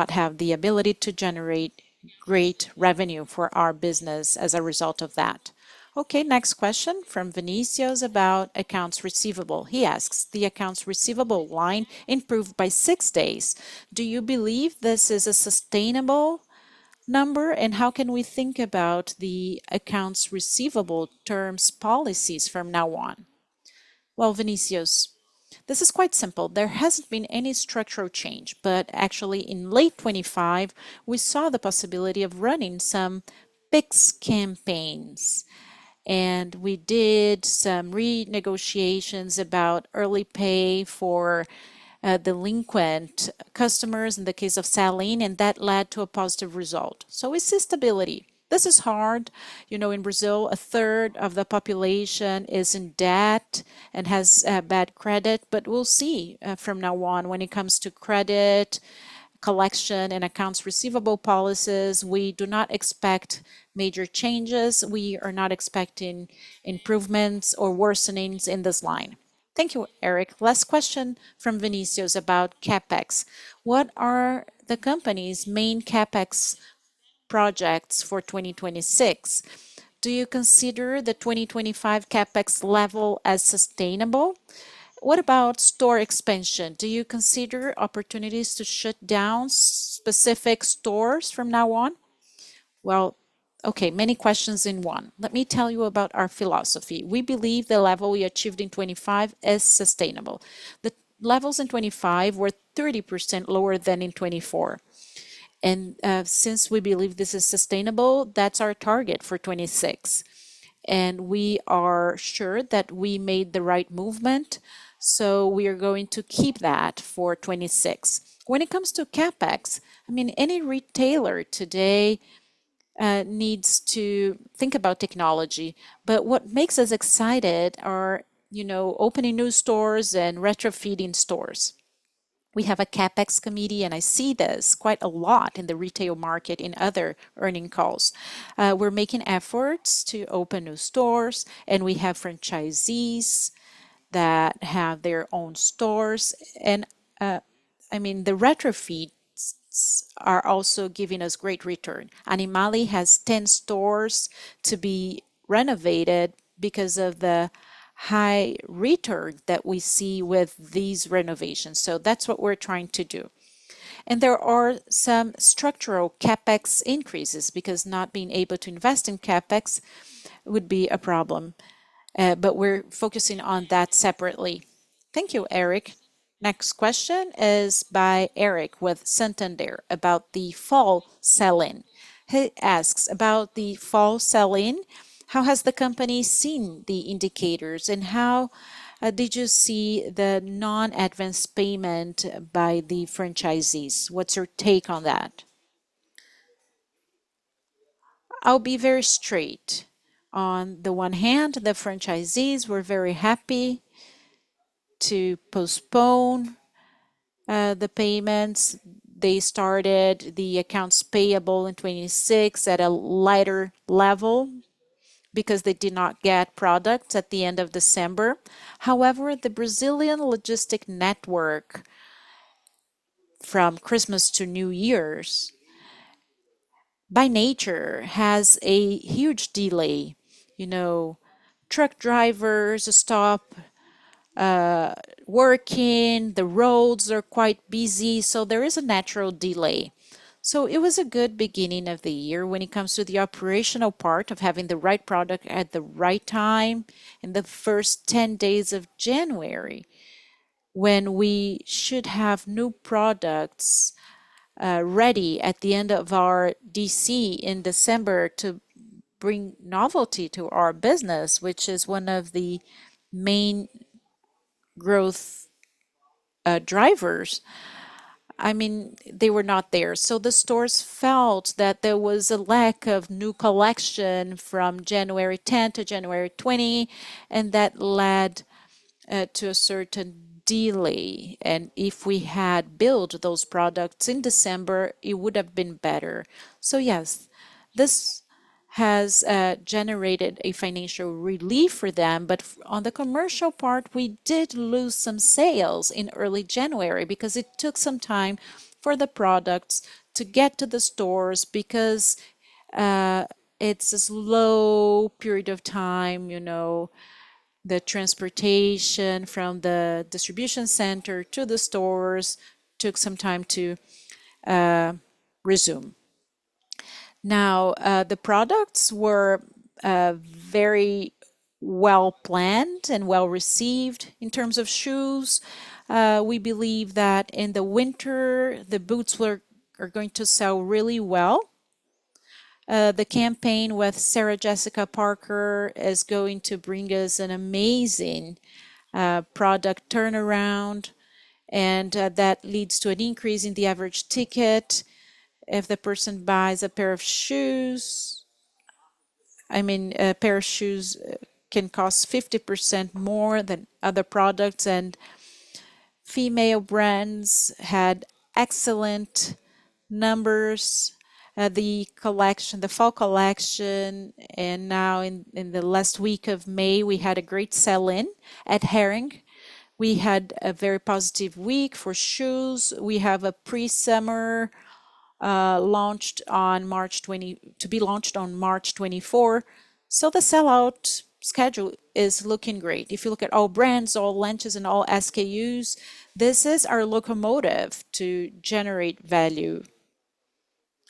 have the ability to generate great revenue for our business as a result of that. Okay, next question from Vinicius about accounts receivable. He asks, the accounts receivable line improved by 6 days. Do you believe this is a sustainable number, and how can we think about the accounts receivable terms policies from now on? Well, Vinicius, this is quite simple. There hasn't been any structural change. Actually in late 2025, we saw the possibility of running some fixed campaigns, and we did some renegotiations about early pay for delinquent customers in the case of sell-in, and that led to a positive result. It's stability. This is hard. in Brazil, a third of the population is in debt and has bad credit, but we'll see from now on. When it comes to credit, collection, and accounts receivable policies, we do not expect major changes. We are not expecting improvements or worsenings in this line. Thank you, Eric. Last question from Vinicius about CapEx. What are the company's main CapEx projects for 2026? Do you consider the 2025 CapEx level as sustainable? What about store expansion? Do you consider opportunities to shut down specific stores from now on? Well, okay, many questions in one. Let me tell you about our philosophy. We believe the level we achieved in 2025 is sustainable. The levels in 2025 were 30% lower than in 2024. Since we believe this is sustainable, that's our target for 2026. We are sure that we made the right movement, so we are going to keep that for 2026. When it comes to CapEx, I mean, any retailer today needs to think about technology. What makes us excited are opening new stores and retrofitting stores. We have a CapEx committee, and I see this quite a lot in the retail market in other earnings calls. We're making efforts to open new stores, and we have franchisees that have their own stores. I mean, the retrofits are also giving us great return. Animale has 10 stores to be renovated because of the high return that we see with these renovations, so that's what we're trying to do. There are some structural CapEx increases because not being able to invest in CapEx would be a problem. We're focusing on that separately. Thank you, Eric. Next question is by Eric with Santander about the fall sell-in. He asks, About the fall sell-in, how has the company seen the indicators, and how, did you see the non-advanced payment by the franchisees? What's your take on that? I'll be very straight. On the one hand, the franchisees were very happy to postpone, the payments. They started the accounts payable in 2026 at a lighter level because they did not get products at the end of December. However, the Brazilian logistics network from Christmas to New Year's, by nature, has a huge delay. truck drivers stop working. The roads are quite busy, so there is a natural delay. It was a good beginning of the year when it comes to the operational part of having the right product at the right time in the first 10 days of January. When we should have new products ready at the end of our DC in December to bring novelty to our business, which is one of the main growth drivers, I mean, they were not there. The stores felt that there was a lack of new collection from January 10 to January 20, and that led to a certain delay, and if we had built those products in December, it would have been better. Yes, this has generated a financial relief for them. On the commercial part, we did lose some sales in early January because it took some time for the products to get to the stores because it's a slow period of time. The transportation from the distribution center to the stores took some time to resume. Now, the products were very well-planned and well-received in terms of shoes. We believe that in the winter, the boots are going to sell really well. The campaign with Sarah Jessica Parker is going to bring us an amazing product turnaround, and that leads to an increase in the average ticket. If the person buys a pair of shoes, I mean, a pair of shoes can cost 50% more than other products. Female brands had excellent numbers. The collection, the fall collection, and now in the last week of May, we had a great sell-in at Hering. We had a very positive week for shoes. We have a pre-summer to be launched on March 24, 2024. The sell-out schedule is looking great. If you look at all brands, all launches, and all SKUs, this is our locomotive to generate value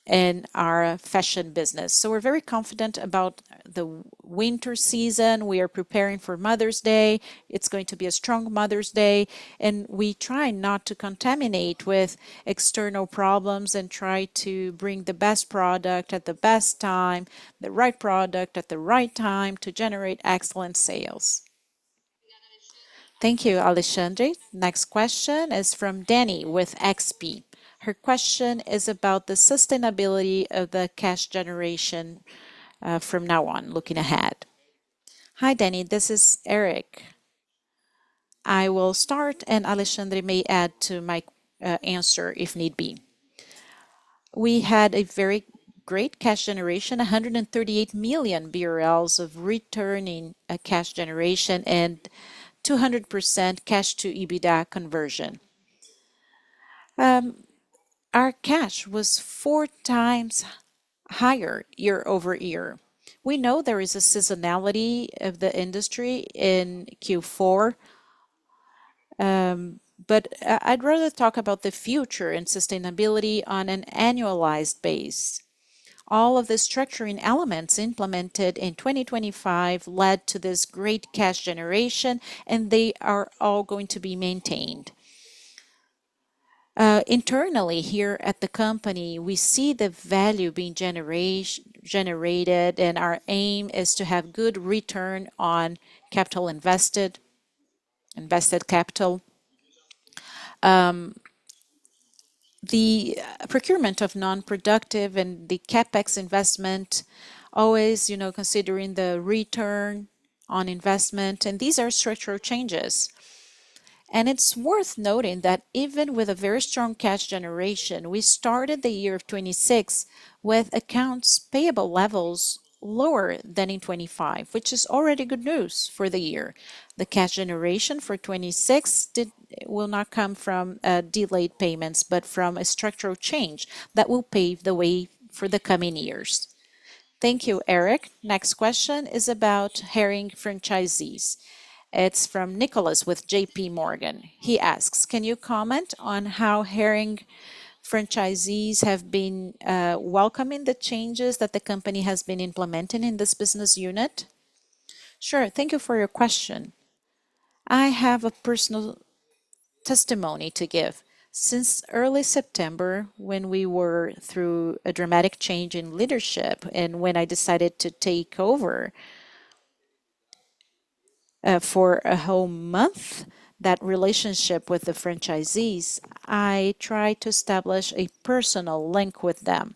in our fashion business. We're very confident about the winter season. We are preparing for Mother's Day. It's going to be a strong Mother's Day, and we try not to contaminate with external problems and try to bring the best product at the best time, the right product at the right time to generate excellent sales. Thank you, Alexandre. Next question is from Dani with XP. Her question is about the sustainability of the cash generation from now on, looking ahead. Hi, Dani. This is Eric. I will start, and Alexandre may add to my answer if need be. We had a very great cash generation, 138 million BRL of recurring cash generation and 200% cash to EBITDA conversion. Our cash was four times higher year-over-year. We know there is a seasonality of the industry in Q4, but I'd rather talk about the future and sustainability on an annualized basis. All of the structuring elements implemented in 2025 led to this great cash generation, and they are all going to be maintained. Internally here at the company, we see the value being generated, and our aim is to have good return on invested capital. The procurement of non-productive and the CapEx investment always considering the return on investment, and these are structural changes. It's worth noting that even with a very strong cash generation, we started the year of 2026 with accounts payable levels lower than in 2025, which is already good news for the year. The cash generation for 2026 will not come from delayed payments but from a structural change that will pave the way for the coming years. Thank you, Eric. Next question is about Hering franchisees. It's from Joseph K. Giordano with JPMorgan. He asks, Can you comment on how Hering franchisees have been welcoming the changes that the company has been implementing in this business unit? Sure. Thank you for your question. I have a personal testimony to give. Since early September, when we were through a dramatic change in leadership, and when I decided to take over for a whole month, that relationship with the franchisees, I tried to establish a personal link with them.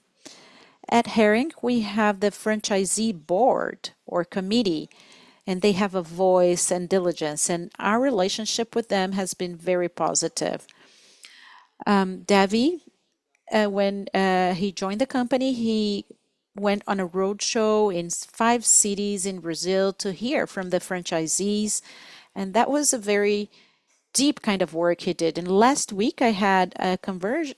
At Hering, we have the franchisee board or committee, and they have a voice and diligence, and our relationship with them has been very positive. Davi. when he joined the company, he went on a roadshow in five cities in Brazil to hear from the franchisees, and that was a very deep kind of work he did. Last week, I had a convention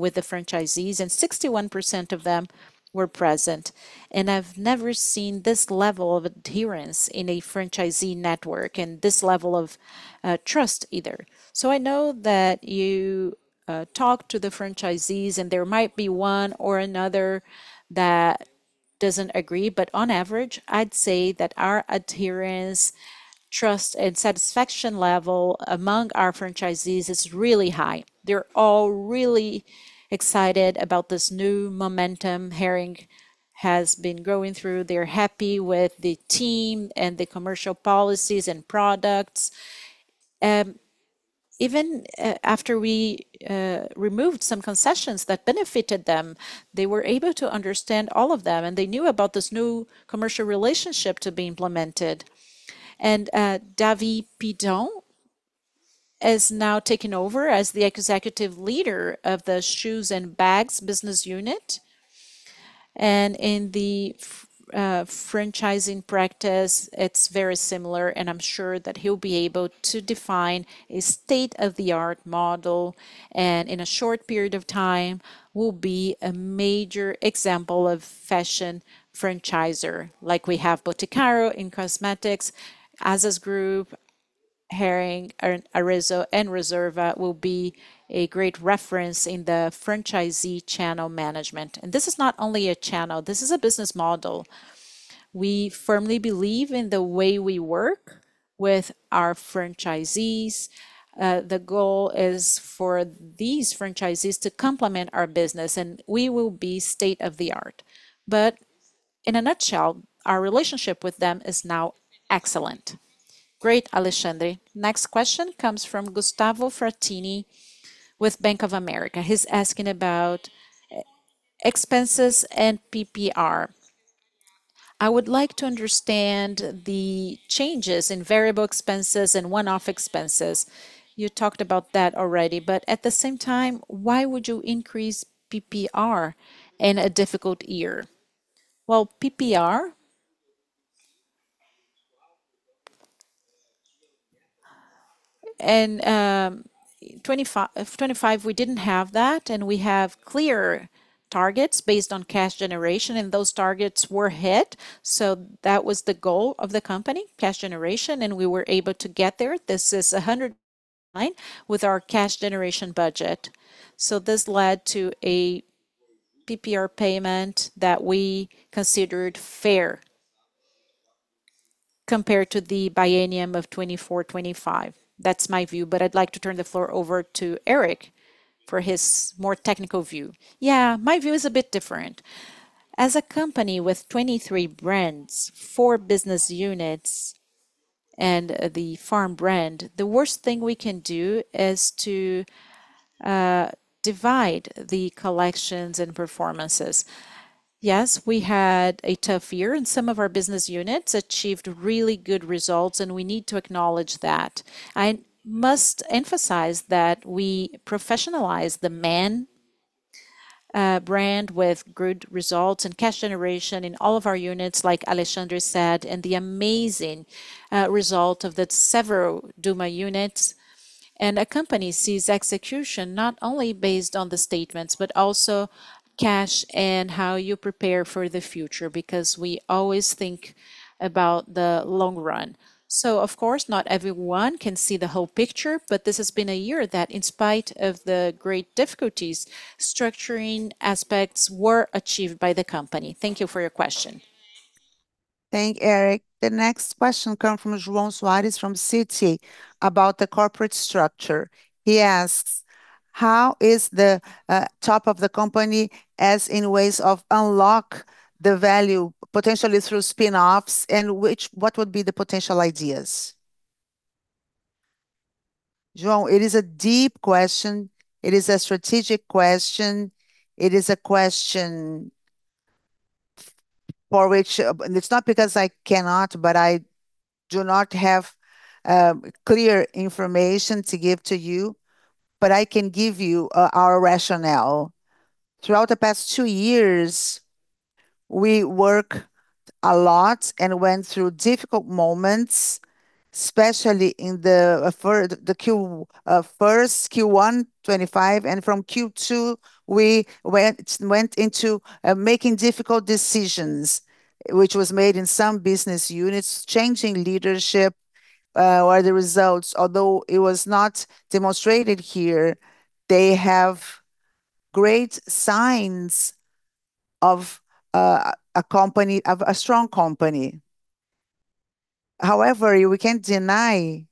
with the franchisees, and 61% of them were present. I've never seen this level of adherence in a franchisee network and this level of trust either. I know that you talk to the franchisees, and there might be one or another that doesn't agree. On average, I'd say that our adherence, trust, and satisfaction level among our franchisees is really high. They're all really excited about this new momentum Hering has been going through. They're happy with the team and the commercial policies and products. Even after we removed some concessions that benefited them, they were able to understand all of them, and they knew about this new commercial relationship to be implemented. Rafael Sachete has now taken over as the executive leader of the shoes and bags business unit. In the franchising practice, it's very similar, and I'm sure that he'll be able to define a state-of-the-art model, and in a short period of time will be a major example of fashion franchisor, like we have O Boticário in cosmetics, Azzas, Hering, Arezzo, and Reserva will be a great reference in the franchisee channel management. This is not only a channel, this is a business model. We firmly believe in the way we work with our franchisees. The goal is for these franchisees to complement our business, and we will be state-of-the-art. In a nutshell, our relationship with them is now excellent. Great, Alexandre. Next question comes from Gustavo Frattini with Bank of America. He's asking about expenses and PPR. I would like to understand the changes in variable expenses and one-off expenses. You talked about that already, but at the same time, why would you increase PPR in a difficult year? Well, PPR, 2025 we didn't have that, and we have clear targets based on cash generation, and those targets were hit, so that was the goal of the company, cash generation, and we were able to get there. This is 100% in line with our cash generation budget. This led to a PPR payment that we considered fair compared to the biennium of 2024, 2025. That's my view, but I'd like to turn the floor over to Eric for his more technical view. Yeah. My view is a bit different. As a company with 23 brands, 4 business units, and the Farm brand, the worst thing we can do is to divide the collections and performances. Yes, we had a tough year, and some of our business units achieved really good results, and we need to acknowledge that. I must emphasize that we professionalized the men's brand with good results and cash generation in all of our units, like Alexandre said, and the amazing result of the several Soma units. A company sees execution not only based on the statements, but also cash and how you prepare for the future, because we always think about the long run. Of course, not everyone can see the whole picture, but this has been a year that in spite of the great difficulties, structuring aspects were achieved by the company. Thank you for your question. Thank you, Eric. The next question comes from João Soares from Citi about the corporate structure. He asks, "How is the top of the company as in ways to unlock the value potentially through spin-offs, and what would be the potential ideas?" João, it is a deep question. It is a strategic question. It is a question for which it's not because I cannot, but I do not have clear information to give to you, but I can give you our rationale. Throughout the past two years, we work a lot and went through difficult moments, especially in the Q1 2025, and from Q2, we went into making difficult decisions, which was made in some business units, changing leadership or the results. Although it was not demonstrated here, they have great signs of a company. of a strong company. However, we can't deny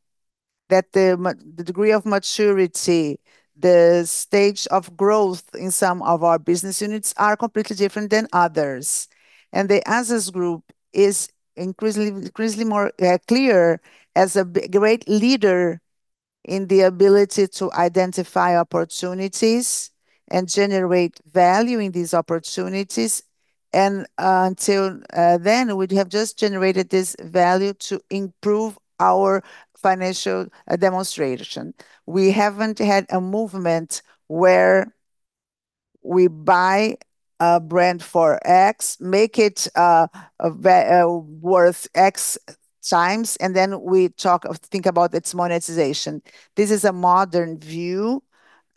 that the degree of maturity, the stage of growth in some of our business units are completely different than others, and the Azzas 2154 is increasingly more clear as a great leader in the ability to identify opportunities and generate value in these opportunities, and until then we'd have just generated this value to improve our financial position. We haven't had a movement where we buy a brand for X, make it worth X times, and then we think about its monetization. This is a modern view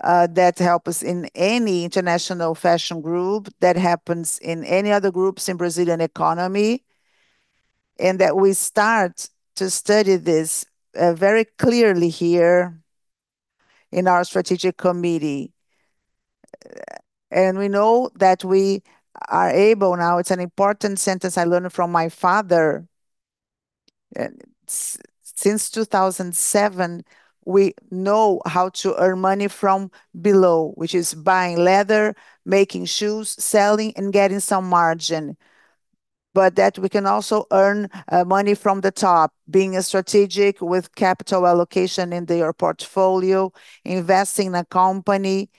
that help us in any international fashion group, that happens in any other groups in Brazilian economy, and that we start to study this very clearly here in our strategic committee. We know that we are able now. It's an important sentence I learned from my father. Since 2007, we know how to earn money from below, which is buying leather, making shoes, selling, and getting some margin. That we can also earn money from the top, being strategic with capital allocation in their portfolio, investing in a company.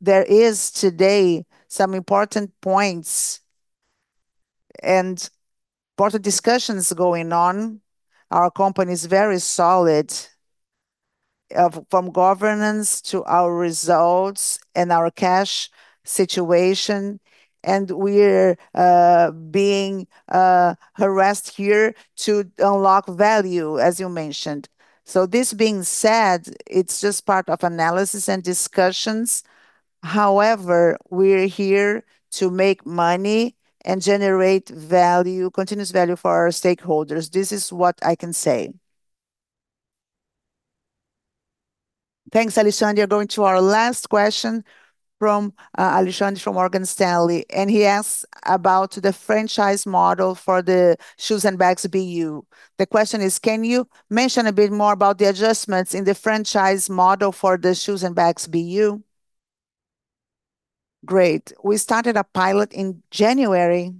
There is today some important points and part of discussions going on. Our company's very solid from governance to our results and our cash situation, and we're being harassed here to unlock value, as you mentioned. This being said, it's just part of analysis and discussions. However, we're here to make money and generate value, continuous value for our stakeholders. This is what I can say. Thanks, Alexandre. Going to our last question from Alexandre from Morgan Stanley, and he asks about the franchise model for the shoes and bags BU. The question is: Can you mention a bit more about the adjustments in the franchise model for the shoes and bags BU? Great. We started a pilot in January,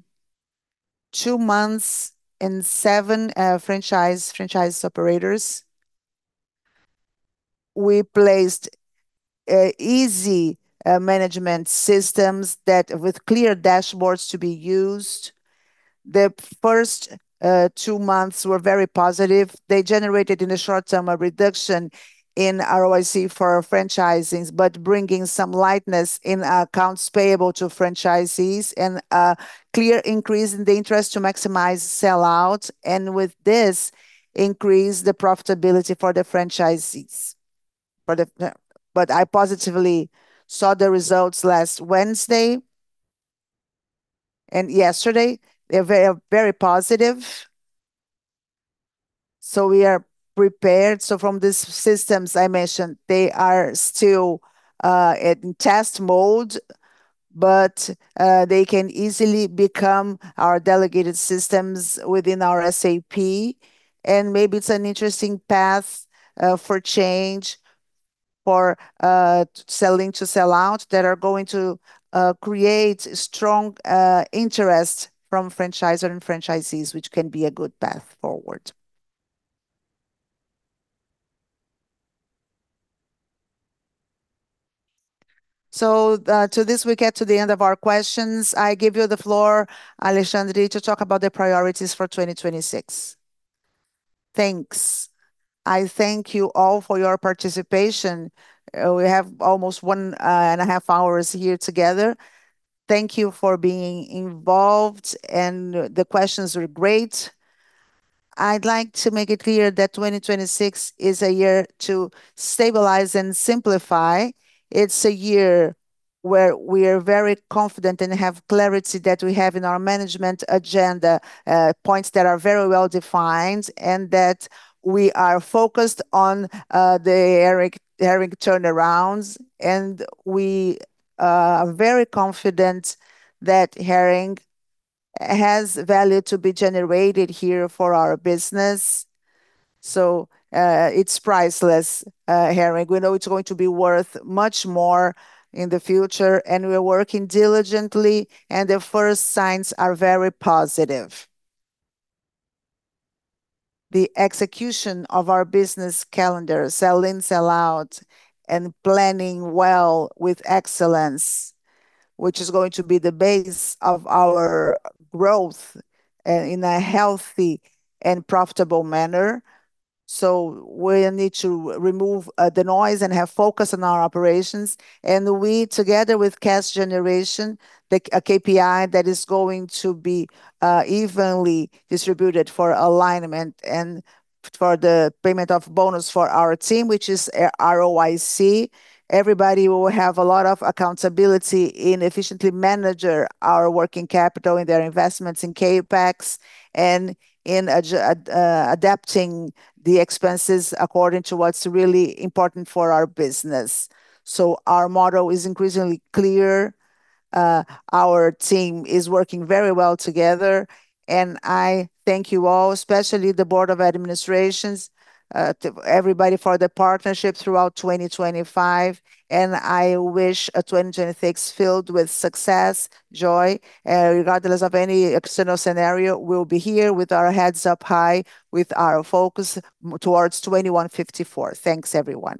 two months in, seven franchise operators. We placed easy management systems with clear dashboards to be used. The first two months were very positive. They generated, in the short term, a reduction in ROIC for our franchises, but bringing some length in accounts payable to franchisees and a clear increase in the incentives to maximize sell-out, and with this, increase the profitability for the franchisees. For the franchisees. I positively saw the results last Wednesday and yesterday. They're very positive, so we are prepared. From the systems I mentioned, they are still in test mode, but they can easily become our delegated systems within our SAP, and maybe it's an interesting path for changing sell-in to sell-out that are going to create strong interest from franchisor and franchisees, which can be a good path forward. To this, we get to the end of our questions. I give you the floor, Alexandre, to talk about the priorities for 2026. Thanks. I thank you all for your participation. We have almost one and a half hours here together. Thank you for being involved, and the questions were great. I'd like to make it clear that 2026 is a year to stabilize and simplify. It's a year where we're very confident and have clarity that we have in our management agenda, points that are very well-defined and that we are focused on, the Hering turnarounds. We are very confident that Hering has value to be generated here for our business, it's priceless, Hering. We know it's going to be worth much more in the future, and we're working diligently, and the first signs are very positive. The execution of our business calendar, sell in, sell out, and planning well with excellence, which is going to be the base of our growth, in a healthy and profitable manner. We need to remove the noise and have focus on our operations. We, together with cash generation. A KPI that is going to be evenly distributed for alignment and for the payment of bonus for our team, which is ROIC. Everybody will have a lot of accountability in efficiently managing our working capital in their investments in CapEx and in adapting the expenses according to what's really important for our business. Our model is increasingly clear. Our team is working very well together, and I thank you all, especially the board of administration, to everybody for the partnership throughout 2025. I wish a 2026 filled with success, joy. Regardless of any external scenario, we'll be here with our heads up high, with our focus towards 2154. Thanks, everyone.